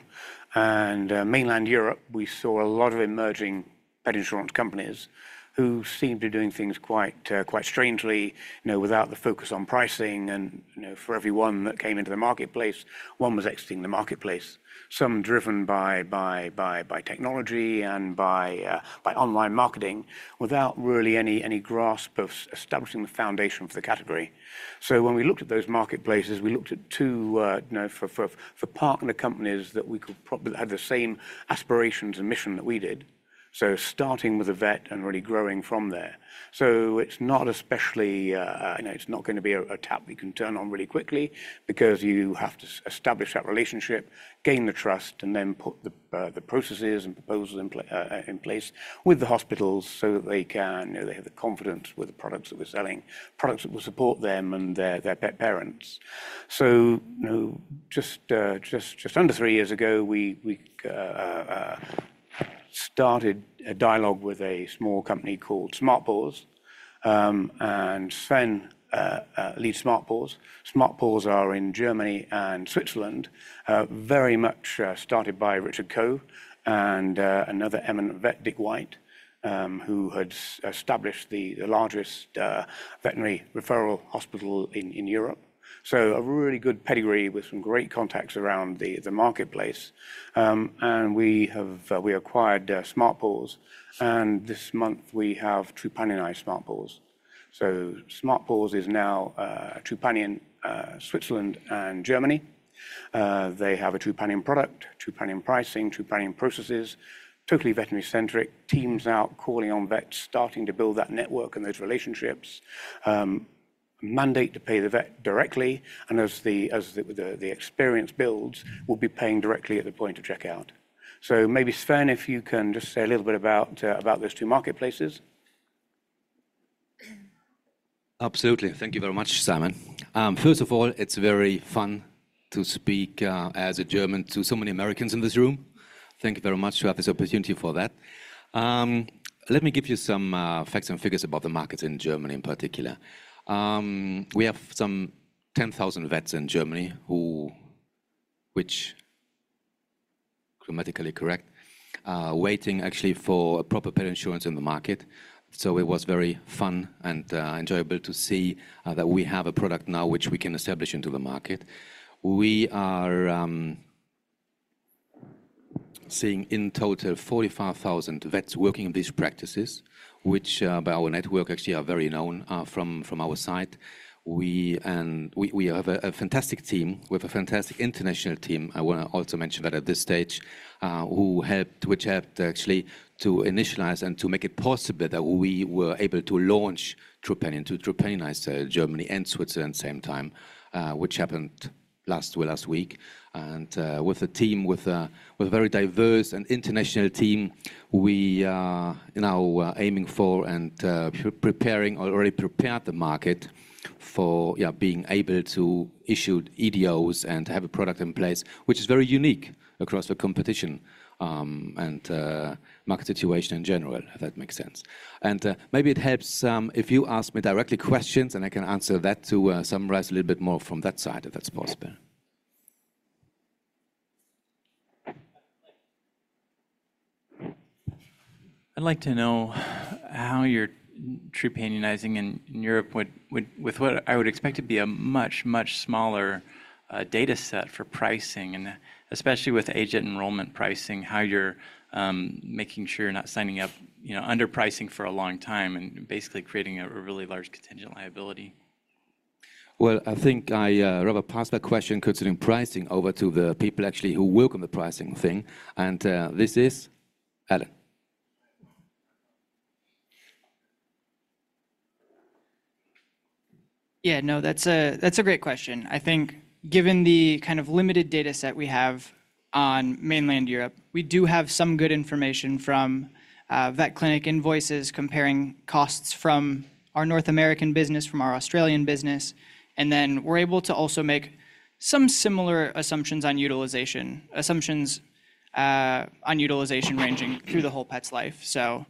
and mainland Europe, we saw a lot of emerging pet insurance companies who seemed to be doing things quite strangely, you know, without the focus on pricing, and you know, for every one that came into the marketplace, one was exiting the marketplace, some driven by technology and by online marketing, without really any grasp of establishing the foundation for the category, so when we looked at those marketplaces, we looked at two, you know, for partner companies that we could probably have the same aspirations and mission that we did, so starting with a vet and really growing from there. So it's not especially, you know, it's not gonna be a tap you can turn on really quickly because you have to establish that relationship, gain the trust, and then put the processes and proposals in place with the hospitals so that they can, you know, have the confidence with the products that we're selling, products that will support them and their pet parents, so you know, just under three years ago, we started a dialogue with a small company called Smart Paws. And Sven leads Smart Paws. Smart Paws are in Germany and Switzerland, very much started by Richard Coe and another eminent vet, Dick White, who had established the largest veterinary referral hospital in Europe. So a really good pedigree with some great contacts around the marketplace. And we have, we acquired Smart Paws, and this month we have Trupanionized Smart Paws. So Smart Paws is now Trupanion Switzerland and Germany. They have a Trupanion product, Trupanion pricing, Trupanion processes, totally veterinary-centric, teams out calling on vets, starting to build that network and those relationships. Mandate to pay the vet directly, and as the experience builds, we'll be paying directly at the point of checkout. So maybe, Sven, if you can just say a little bit about those two marketplaces. Absolutely. Thank you very much, Simon. First of all, it's very fun to speak as a German to so many Americans in this room. Thank you very much to have this opportunity for that. Let me give you some facts and figures about the market in Germany in particular. We have some 10,000 vets in Germany who which, grammatically correct, are waiting actually for a proper pet insurance in the market. So it was very fun and enjoyable to see that we have a product now which we can establish into the market. We are seeing in total 45,000 vets working in these practices, which by our network actually are very known from our side. And we have a fantastic team. We have a fantastic international team. I wanna also mention that at this stage, which helped actually to initialize and to make it possible that we were able to launch Trupanion, to Trupanionize Germany and Switzerland same time, which happened last week. With a very diverse and international team, we are now aiming for and preparing, already prepared the market for being able to issue EDOs and have a product in place, which is very unique across the competition and, market situation in general, if that makes sense. And, maybe it helps, if you ask me directly questions, and I can answer that to, summarize a little bit more from that side, if that's possible. I'd like to know how you're Trupanionizing in Europe, with what I would expect to be a much, much smaller data set for pricing, and especially with age at enrollment pricing, how you're making sure you're not signing up, you know, underpricing for a long time and basically creating a really large contingent liability? I think I rather pass that question concerning pricing over to the people actually who work on the pricing thing, and this is Alan. Yeah, no, that's a, that's a great question. I think given the kind of limited data set we have on mainland Europe, we do have some good information from vet clinic invoices comparing costs from our North American business, from our Australian business, and then we're able to also make some similar assumptions on utilization ranging through the whole pet's life. So,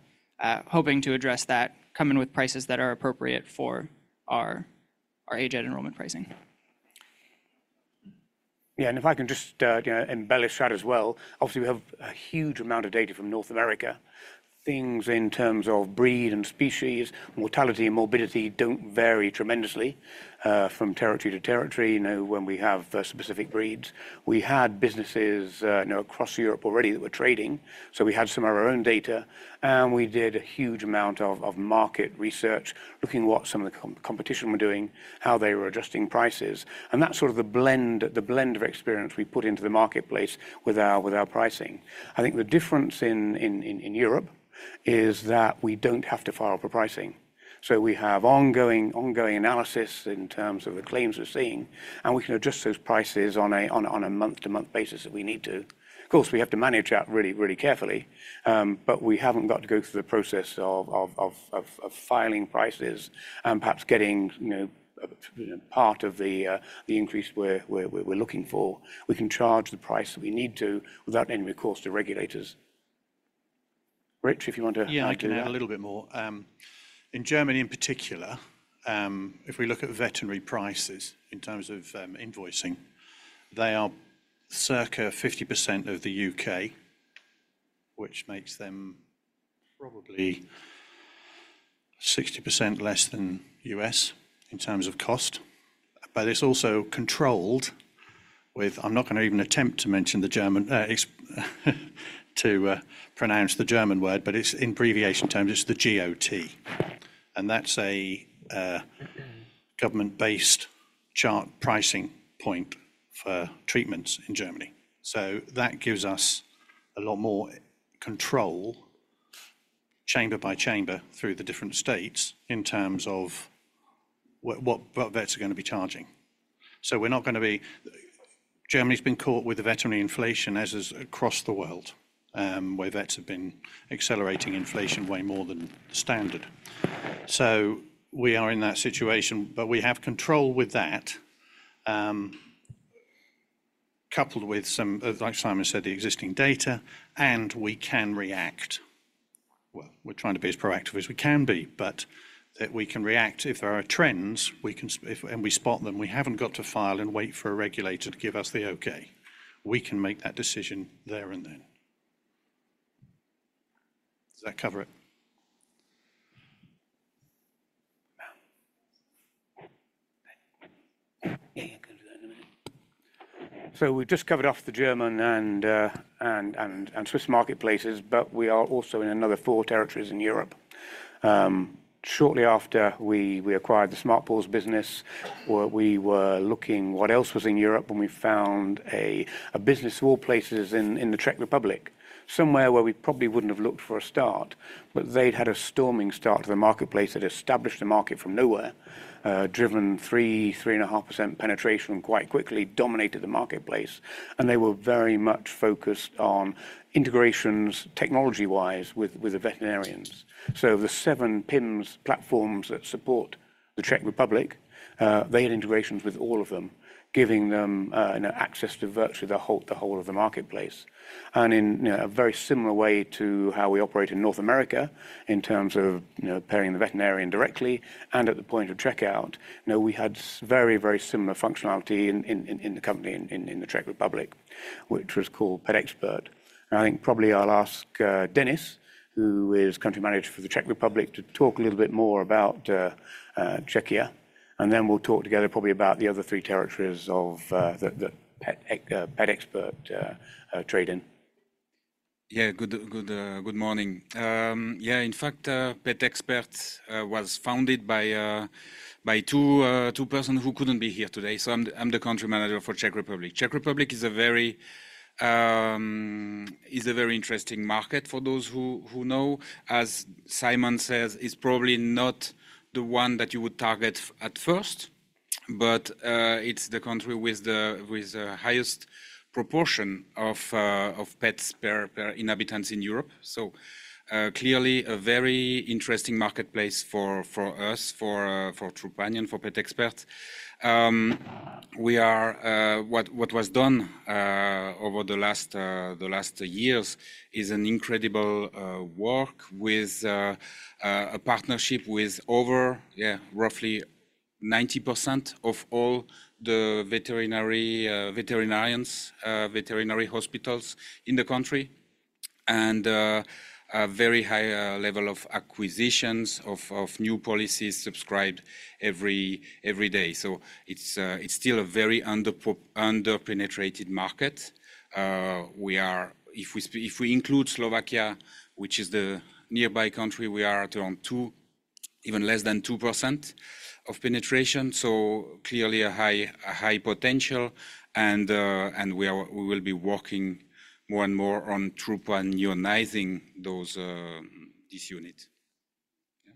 hoping to address that, coming with prices that are appropriate for our age at enrollment pricing. Yeah, and if I can just, you know, embellish that as well. Obviously, we have a huge amount of data from North America. Things in terms of breed and species, mortality and morbidity don't vary tremendously, from territory to territory, you know, when we have specific breeds. We had businesses, you know, across Europe already that were trading, so we had some of our own data, and we did a huge amount of market research, looking what some of the competition were doing, how they were adjusting prices, and that's sort of the blend of experience we put into the marketplace with our pricing. I think the difference in Europe is that we don't have to file for pricing. So we have ongoing analysis in terms of the claims we're seeing, and we can adjust those prices on a month-to-month basis if we need to. Of course, we have to manage that really carefully, but we haven't got to go through the process of filing prices and perhaps getting, you know, a part of the increase we're looking for. We can charge the price that we need to without any recourse to regulators. Rich, if you want to add to that? Yeah, I can add a little bit more. In Germany, in particular, if we look at veterinary prices in terms of invoicing, they are circa 50% of the UK, which makes them probably 60% less than US in terms of cost, but it's also controlled with... I'm not gonna even attempt to mention the German to pronounce the German word, but it's in abbreviation terms, it's the GOT, and that's a government-based chart pricing point for treatments in Germany. So that gives us a lot more control, chamber by chamber, through the different states in terms of what vets are gonna be charging. So we're not gonna be-- Germany's been caught with the veterinary inflation, as is across the world, where vets have been accelerating inflation way more than standard. We are in that situation, but we have control with that. Coupled with some, like Simon said, the existing data, and we can react. We're trying to be as proactive as we can be, but that we can react. If there are trends, we can spot them. We haven't got to file and wait for a regulator to give us the okay. We can make that decision there and then. Does that cover it? So we've just covered off the German and Swiss marketplaces, but we are also in another four territories in Europe. Shortly after we acquired the Smart Paws business, we were looking what else was in Europe, and we found a business of all places in the Czech Republic, somewhere where we probably wouldn't have looked for a start, but they'd had a storming start to the marketplace, had established a market from nowhere, driven 3.5% penetration, quite quickly dominated the marketplace, and they were very much focused on integrations, technology-wise, with the veterinarians. So the seven PIMS platforms that support the Czech Republic, they had integrations with all of them, giving them you know access to virtually the whole of the marketplace. In, you know, a very similar way to how we operate in North America in terms of, you know, paying the veterinarian directly and at the point of checkout, you know, we had very, very similar functionality in the company in the Czech Republic, which was called PetExpert. I think probably I'll ask Denis, who is Country Manager for the Czech Republic, to talk a little bit more about Czechia, and then we'll talk together probably about the other three territories of the PetExpert. Yeah, good morning. Yeah, in fact, PetExpert was founded by two persons who couldn't be here today. So I'm the Country Manager for Czech Republic. Czech Republic is a very interesting market for those who know. As Simon says, it's probably not the one that you would target at first, but it's the country with the highest proportion of pets per inhabitants in Europe. So clearly, a very interesting marketplace for us, for Trupanion, for PetExpert. What was done over the last years is an incredible work with a partnership with over roughly 90% of all the veterinary hospitals in the country, and a very high level of acquisitions of new policies subscribed every day. So it's still a very under-penetrated market. If we include Slovakia, which is the nearby country, we are at around 2%, even less than 2% of penetration, so clearly a high potential, and we will be working more and more on Trupanionizing this unit. Yeah.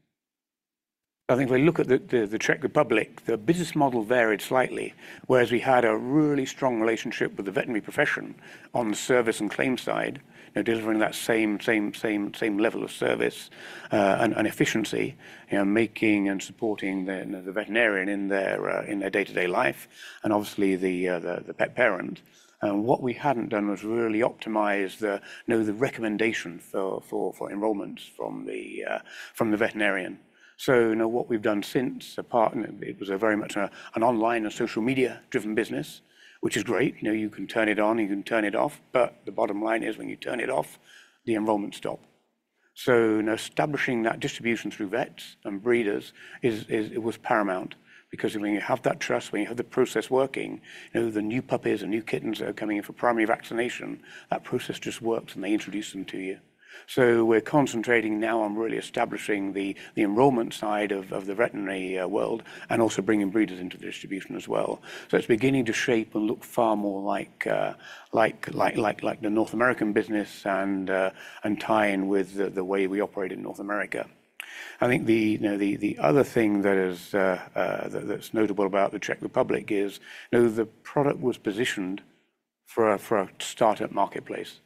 I think if we look at the Czech Republic, the business model varied slightly, whereas we had a really strong relationship with the veterinary profession on the service and claim side, you know, delivering that same level of service and efficiency, you know, making and supporting the veterinarian in their day-to-day life, and obviously the pet parent. And what we hadn't done was really optimize the, you know, the recommendation for enrollments from the veterinarian. So, you know, what we've done since and it was a very much an online and social media-driven business, which is great. You know, you can turn it on, you can turn it off, but the bottom line is, when you turn it off, the enrollments stop. So, you know, establishing that distribution through vets and breeders it was paramount because when you have that trust, when you have the process working, you know, the new puppies and new kittens that are coming in for primary vaccination, that process just works, and they introduce them to you. So we're concentrating now on really establishing the enrollment side of the veterinary world and also bringing breeders into the distribution as well. So it's beginning to shape and look far more like the North American business and tie in with the way we operate in North America. I think you know the other thing that is that's notable about the Czech Republic is you know the product was positioned for a start-up marketplace,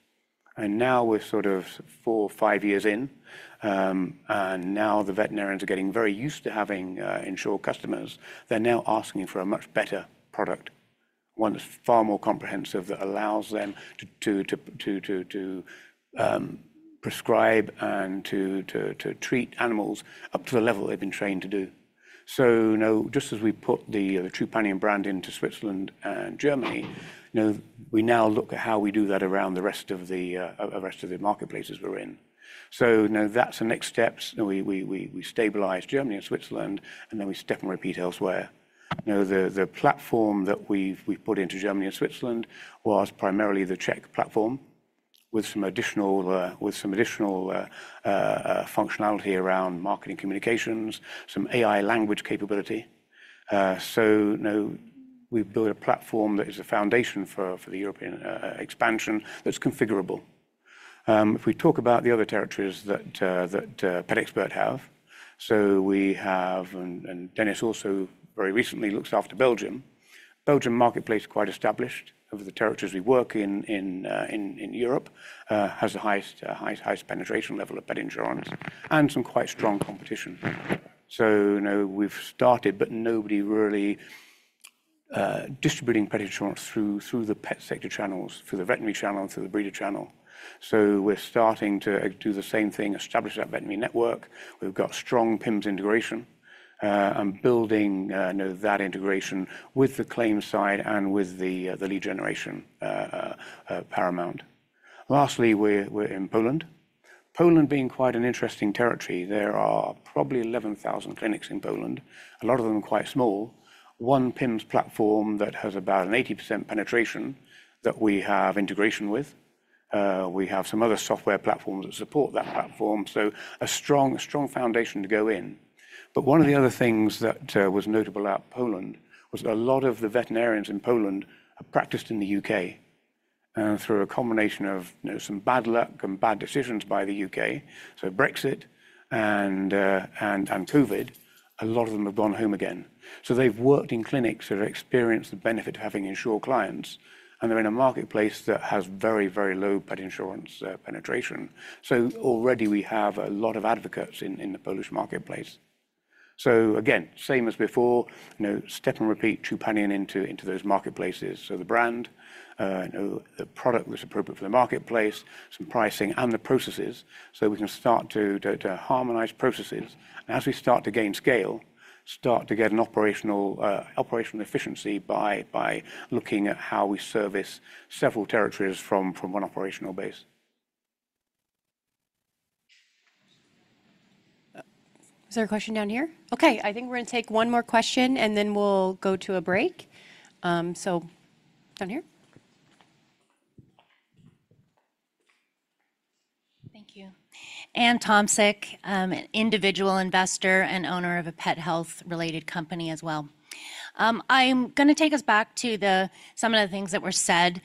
and now we're sort of four, five years in, and now the veterinarians are getting very used to having insured customers. They're now asking for a much better product, one that's far more comprehensive, that allows them to prescribe and to treat animals up to the level they've been trained to do. So you know just as we put the Trupanion brand into Switzerland and Germany, you know we now look at how we do that around the rest of the marketplaces we're in. So you know that's the next steps. You know, we stabilize Germany and Switzerland, and then we step and repeat elsewhere. You know, the platform that we've put into Germany and Switzerland was primarily the Czech platform with some additional functionality around marketing communications, some AI language capability. So, you know, we've built a platform that is a foundation for the European expansion, that's configurable. If we talk about the other territories that PetExpert have, so we have... and Denis also very recently looks after Belgium. Belgium marketplace is quite established. Of the territories we work in Europe has the highest penetration level of pet insurance and some quite strong competition. So, you know, we've started, but nobody really distributing pet insurance through the pet sector channels, through the veterinary channel and through the breeder channel. We're starting to do the same thing, establish that veterinary network. We've got strong PIMS integration, and building, you know, that integration with the claims side and with the lead generation paramount. Lastly, we're in Poland. Poland being quite an interesting territory. There are probably 11,000 clinics in Poland, a lot of them quite small. One PIMS platform that has about an 80% penetration that we have integration with. We have some other software platforms that support that platform, so a strong foundation to go in. But one of the other things that was notable about Poland was a lot of the veterinarians in Poland have practiced in the UK through a combination of, you know, some bad luck and bad decisions by the UK, so Brexit and COVID, a lot of them have gone home again. So they've worked in clinics that have experienced the benefit of having insured clients, and they're in a marketplace that has very, very low pet insurance penetration. So already we have a lot of advocates in the Polish marketplace. So again, same as before, you know, step and repeat Trupanion into those marketplaces. So the brand, you know, the product that's appropriate for the marketplace, some pricing, and the processes, so we can start to harmonize processes, and as we start to gain scale, start to get an operational efficiency by looking at how we service several territories from one operational base. Is there a question down here? Okay, I think we're gonna take one more question, and then we'll go to a break. So down here. Thank you. Anne Tomsic, an individual investor and owner of a pet health-related company as well. I'm gonna take us back to some of the things that were said.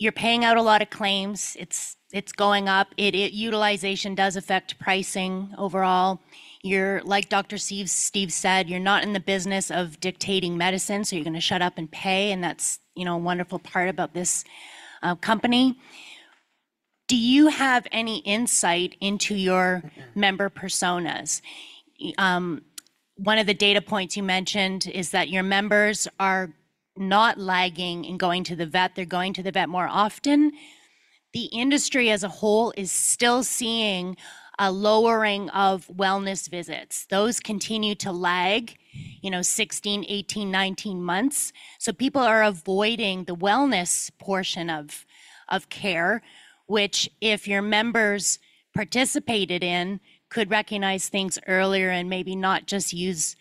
You're paying out a lot of claims. It's going up. Utilization does affect pricing overall. You're, like Dr. Steve, Steve said, you're not in the business of dictating medicine, so you're gonna shut up and pay, and that's, you know, a wonderful part about this company. Do you have any insight into your member personas? One of the data points you mentioned is that your members are not lagging in going to the vet, they're going to the vet more often. The industry as a whole is still seeing a lowering of wellness visits. Those continue to lag, you know, 16, 18, 19 months. So people are avoiding the wellness portion of care, which, if your members participated in, could recognize things earlier and maybe not just use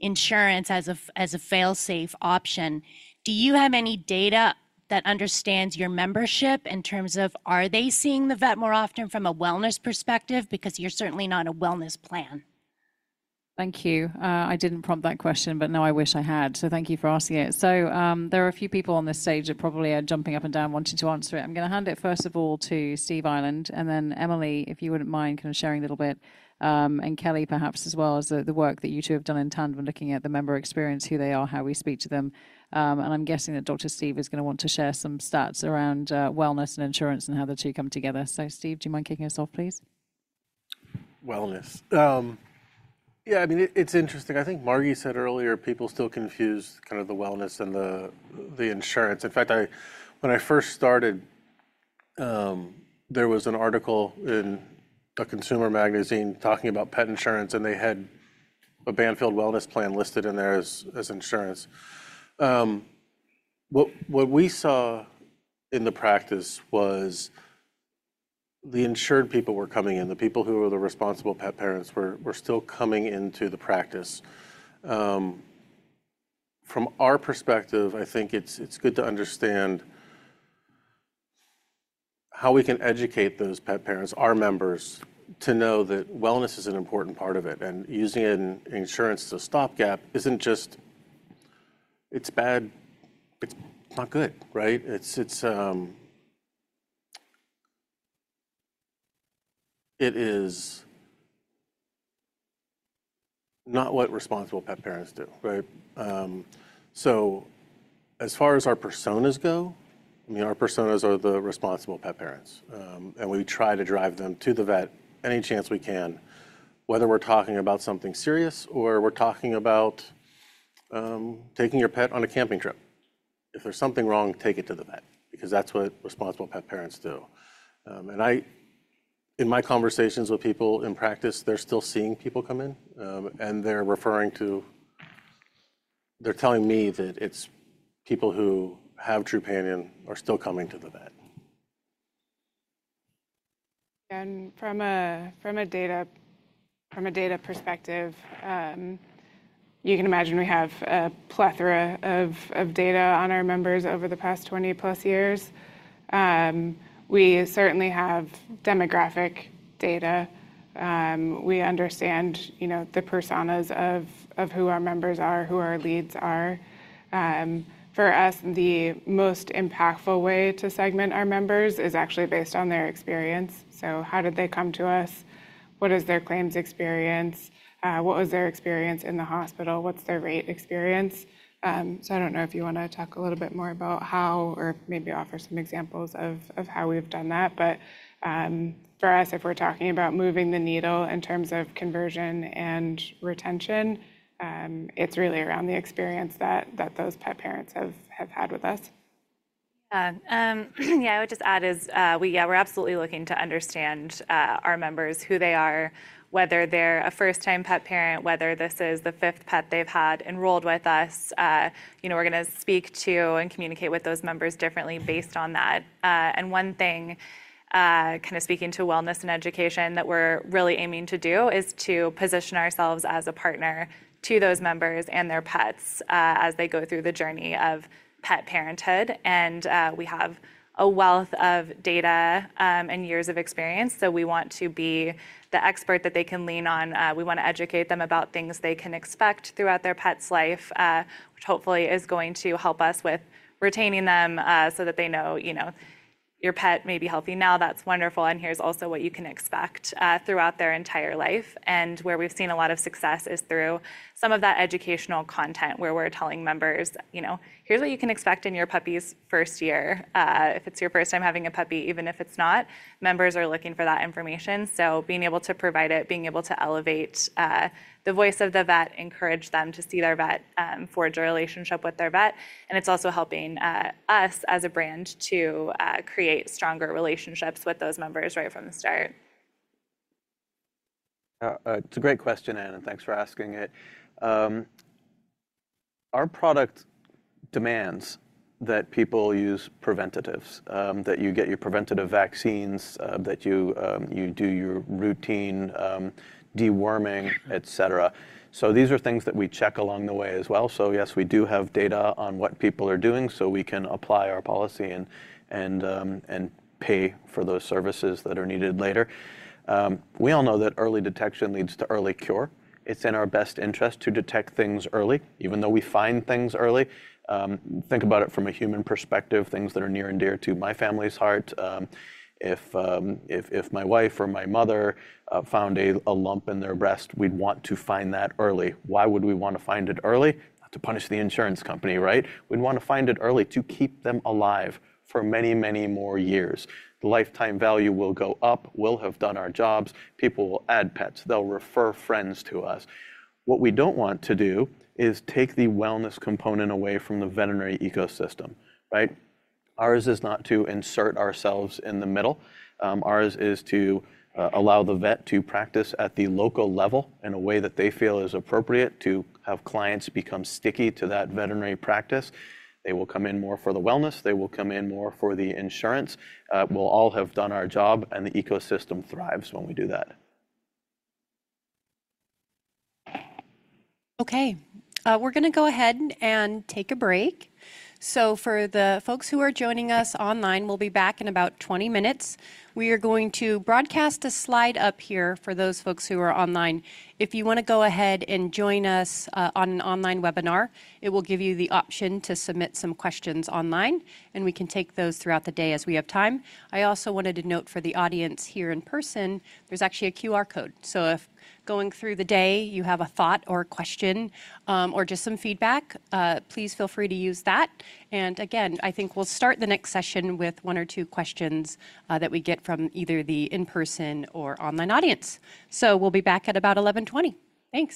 insurance as a fail-safe option. Do you have any data that understands your membership in terms of are they seeing the vet more often from a wellness perspective? Because you're certainly not a wellness plan. Thank you. I didn't prompt that question, but now I wish I had, so thank you for asking it, so there are a few people on this stage that probably are jumping up and down wanting to answer it. I'm gonna hand it, first of all, to Steve Ireland, and then Emily, if you wouldn't mind kind of sharing a little bit, and Kelly perhaps as well, as the work that you two have done in tandem in looking at the member experience, who they are, how we speak to them, and I'm guessing that Dr. Steve is gonna want to share some stats around wellness and insurance and how the two come together, so Steve, do you mind kicking us off, please? Wellness. Yeah, I mean, it's interesting. I think Margi said earlier, people still confuse kind of the wellness and the insurance. In fact, I... When I first started, there was an article in a consumer magazine talking about pet insurance, and they had a Banfield wellness plan listed in there as insurance. What we saw in the practice was the insured people were coming in, the people who were the responsible pet parents were still coming into the practice. From our perspective, I think it's good to understand how we can educate those pet parents, our members, to know that wellness is an important part of it, and using insurance as a stopgap isn't just. It's bad, it's not good, right? It's it is not what responsible pet parents do, right? So as far as our personas go, I mean, our personas are the responsible pet parents. And we try to drive them to the vet any chance we can, whether we're talking about something serious or we're talking about taking your pet on a camping trip. If there's something wrong, take it to the vet, because that's what responsible pet parents do. And I, in my conversations with people in practice, they're still seeing people come in, and they're referring to... They're telling me that it's people who have Trupanion are still coming to the vet. From a data perspective, you can imagine we have a plethora of data on our members over the past twenty-plus years. We certainly have demographic data. We understand, you know, the personas of who our members are, who our leads are. For us, the most impactful way to segment our members is actually based on their experience. So how did they come to us? What is their claims experience? What was their experience in the hospital? What's their rate experience? So I don't know if you want to talk a little bit more about how or maybe offer some examples of how we've done that. But, for us, if we're talking about moving the needle in terms of conversion and retention, it's really around the experience that those pet parents have had with us. Yeah, we're absolutely looking to understand our members, who they are, whether they're a first-time pet parent, whether this is the fifth pet they've had enrolled with us. You know, we're gonna speak to and communicate with those members differently based on that. And one thing, kind of speaking to wellness and education, that we're really aiming to do is to position ourselves as a partner to those members and their pets as they go through the journey of pet parenthood. And we have a wealth of data and years of experience, so we want to be the expert that they can lean on. We want to educate them about things they can expect throughout their pet's life, which hopefully is going to help us with retaining them, so that they know, you know, your pet may be healthy now, that's wonderful, and here's also what you can expect throughout their entire life. And where we've seen a lot of success is through some of that educational content, where we're telling members, you know, "Here's what you can expect in your puppy's first year," if it's your first time having a puppy, even if it's not, members are looking for that information. So being able to provide it, being able to elevate the voice of the vet, encourage them to see their vet, forge a relationship with their vet, and it's also helping us as a brand to create stronger relationships with those members right from the start. It's a great question, Anna, thanks for asking it. Our product demands that people use preventatives, that you get your preventative vaccines, that you do your routine deworming, et cetera, so these are things that we check along the way as well, so yes, we do have data on what people are doing, so we can apply our policy and pay for those services that are needed later. We all know that early detection leads to early cure. It's in our best interest to detect things early, even though we find things early. Think about it from a human perspective, things that are near and dear to my family's heart. If my wife or my mother found a lump in their breast, we'd want to find that early. Why would we want to find it early? Not to punish the insurance company, right? We'd want to find it early to keep them alive for many, many more years. The lifetime value will go up, we'll have done our jobs, people will add pets, they'll refer friends to us. What we don't want to do is take the wellness component away from the veterinary ecosystem, right? Ours is not to insert ourselves in the middle. Ours is to allow the vet to practice at the local level in a way that they feel is appropriate to have clients become sticky to that veterinary practice. They will come in more for the wellness, they will come in more for the insurance. We'll all have done our job, and the ecosystem thrives when we do that. Okay, we're gonna go ahead and take a break, so for the folks who are joining us online, we'll be back in about 20 minutes. We are going to broadcast a slide up here for those folks who are online. If you want to go ahead and join us on an online webinar, it will give you the option to submit some questions online, and we can take those throughout the day as we have time. I also wanted to note for the audience here in person, there's actually a QR code, so if going through the day, you have a thought or a question, or just some feedback, please feel free to use that, and again, I think we'll start the next session with one or two questions that we get from either the in-person or online audience. So we'll be back at about 11:20. Thanks!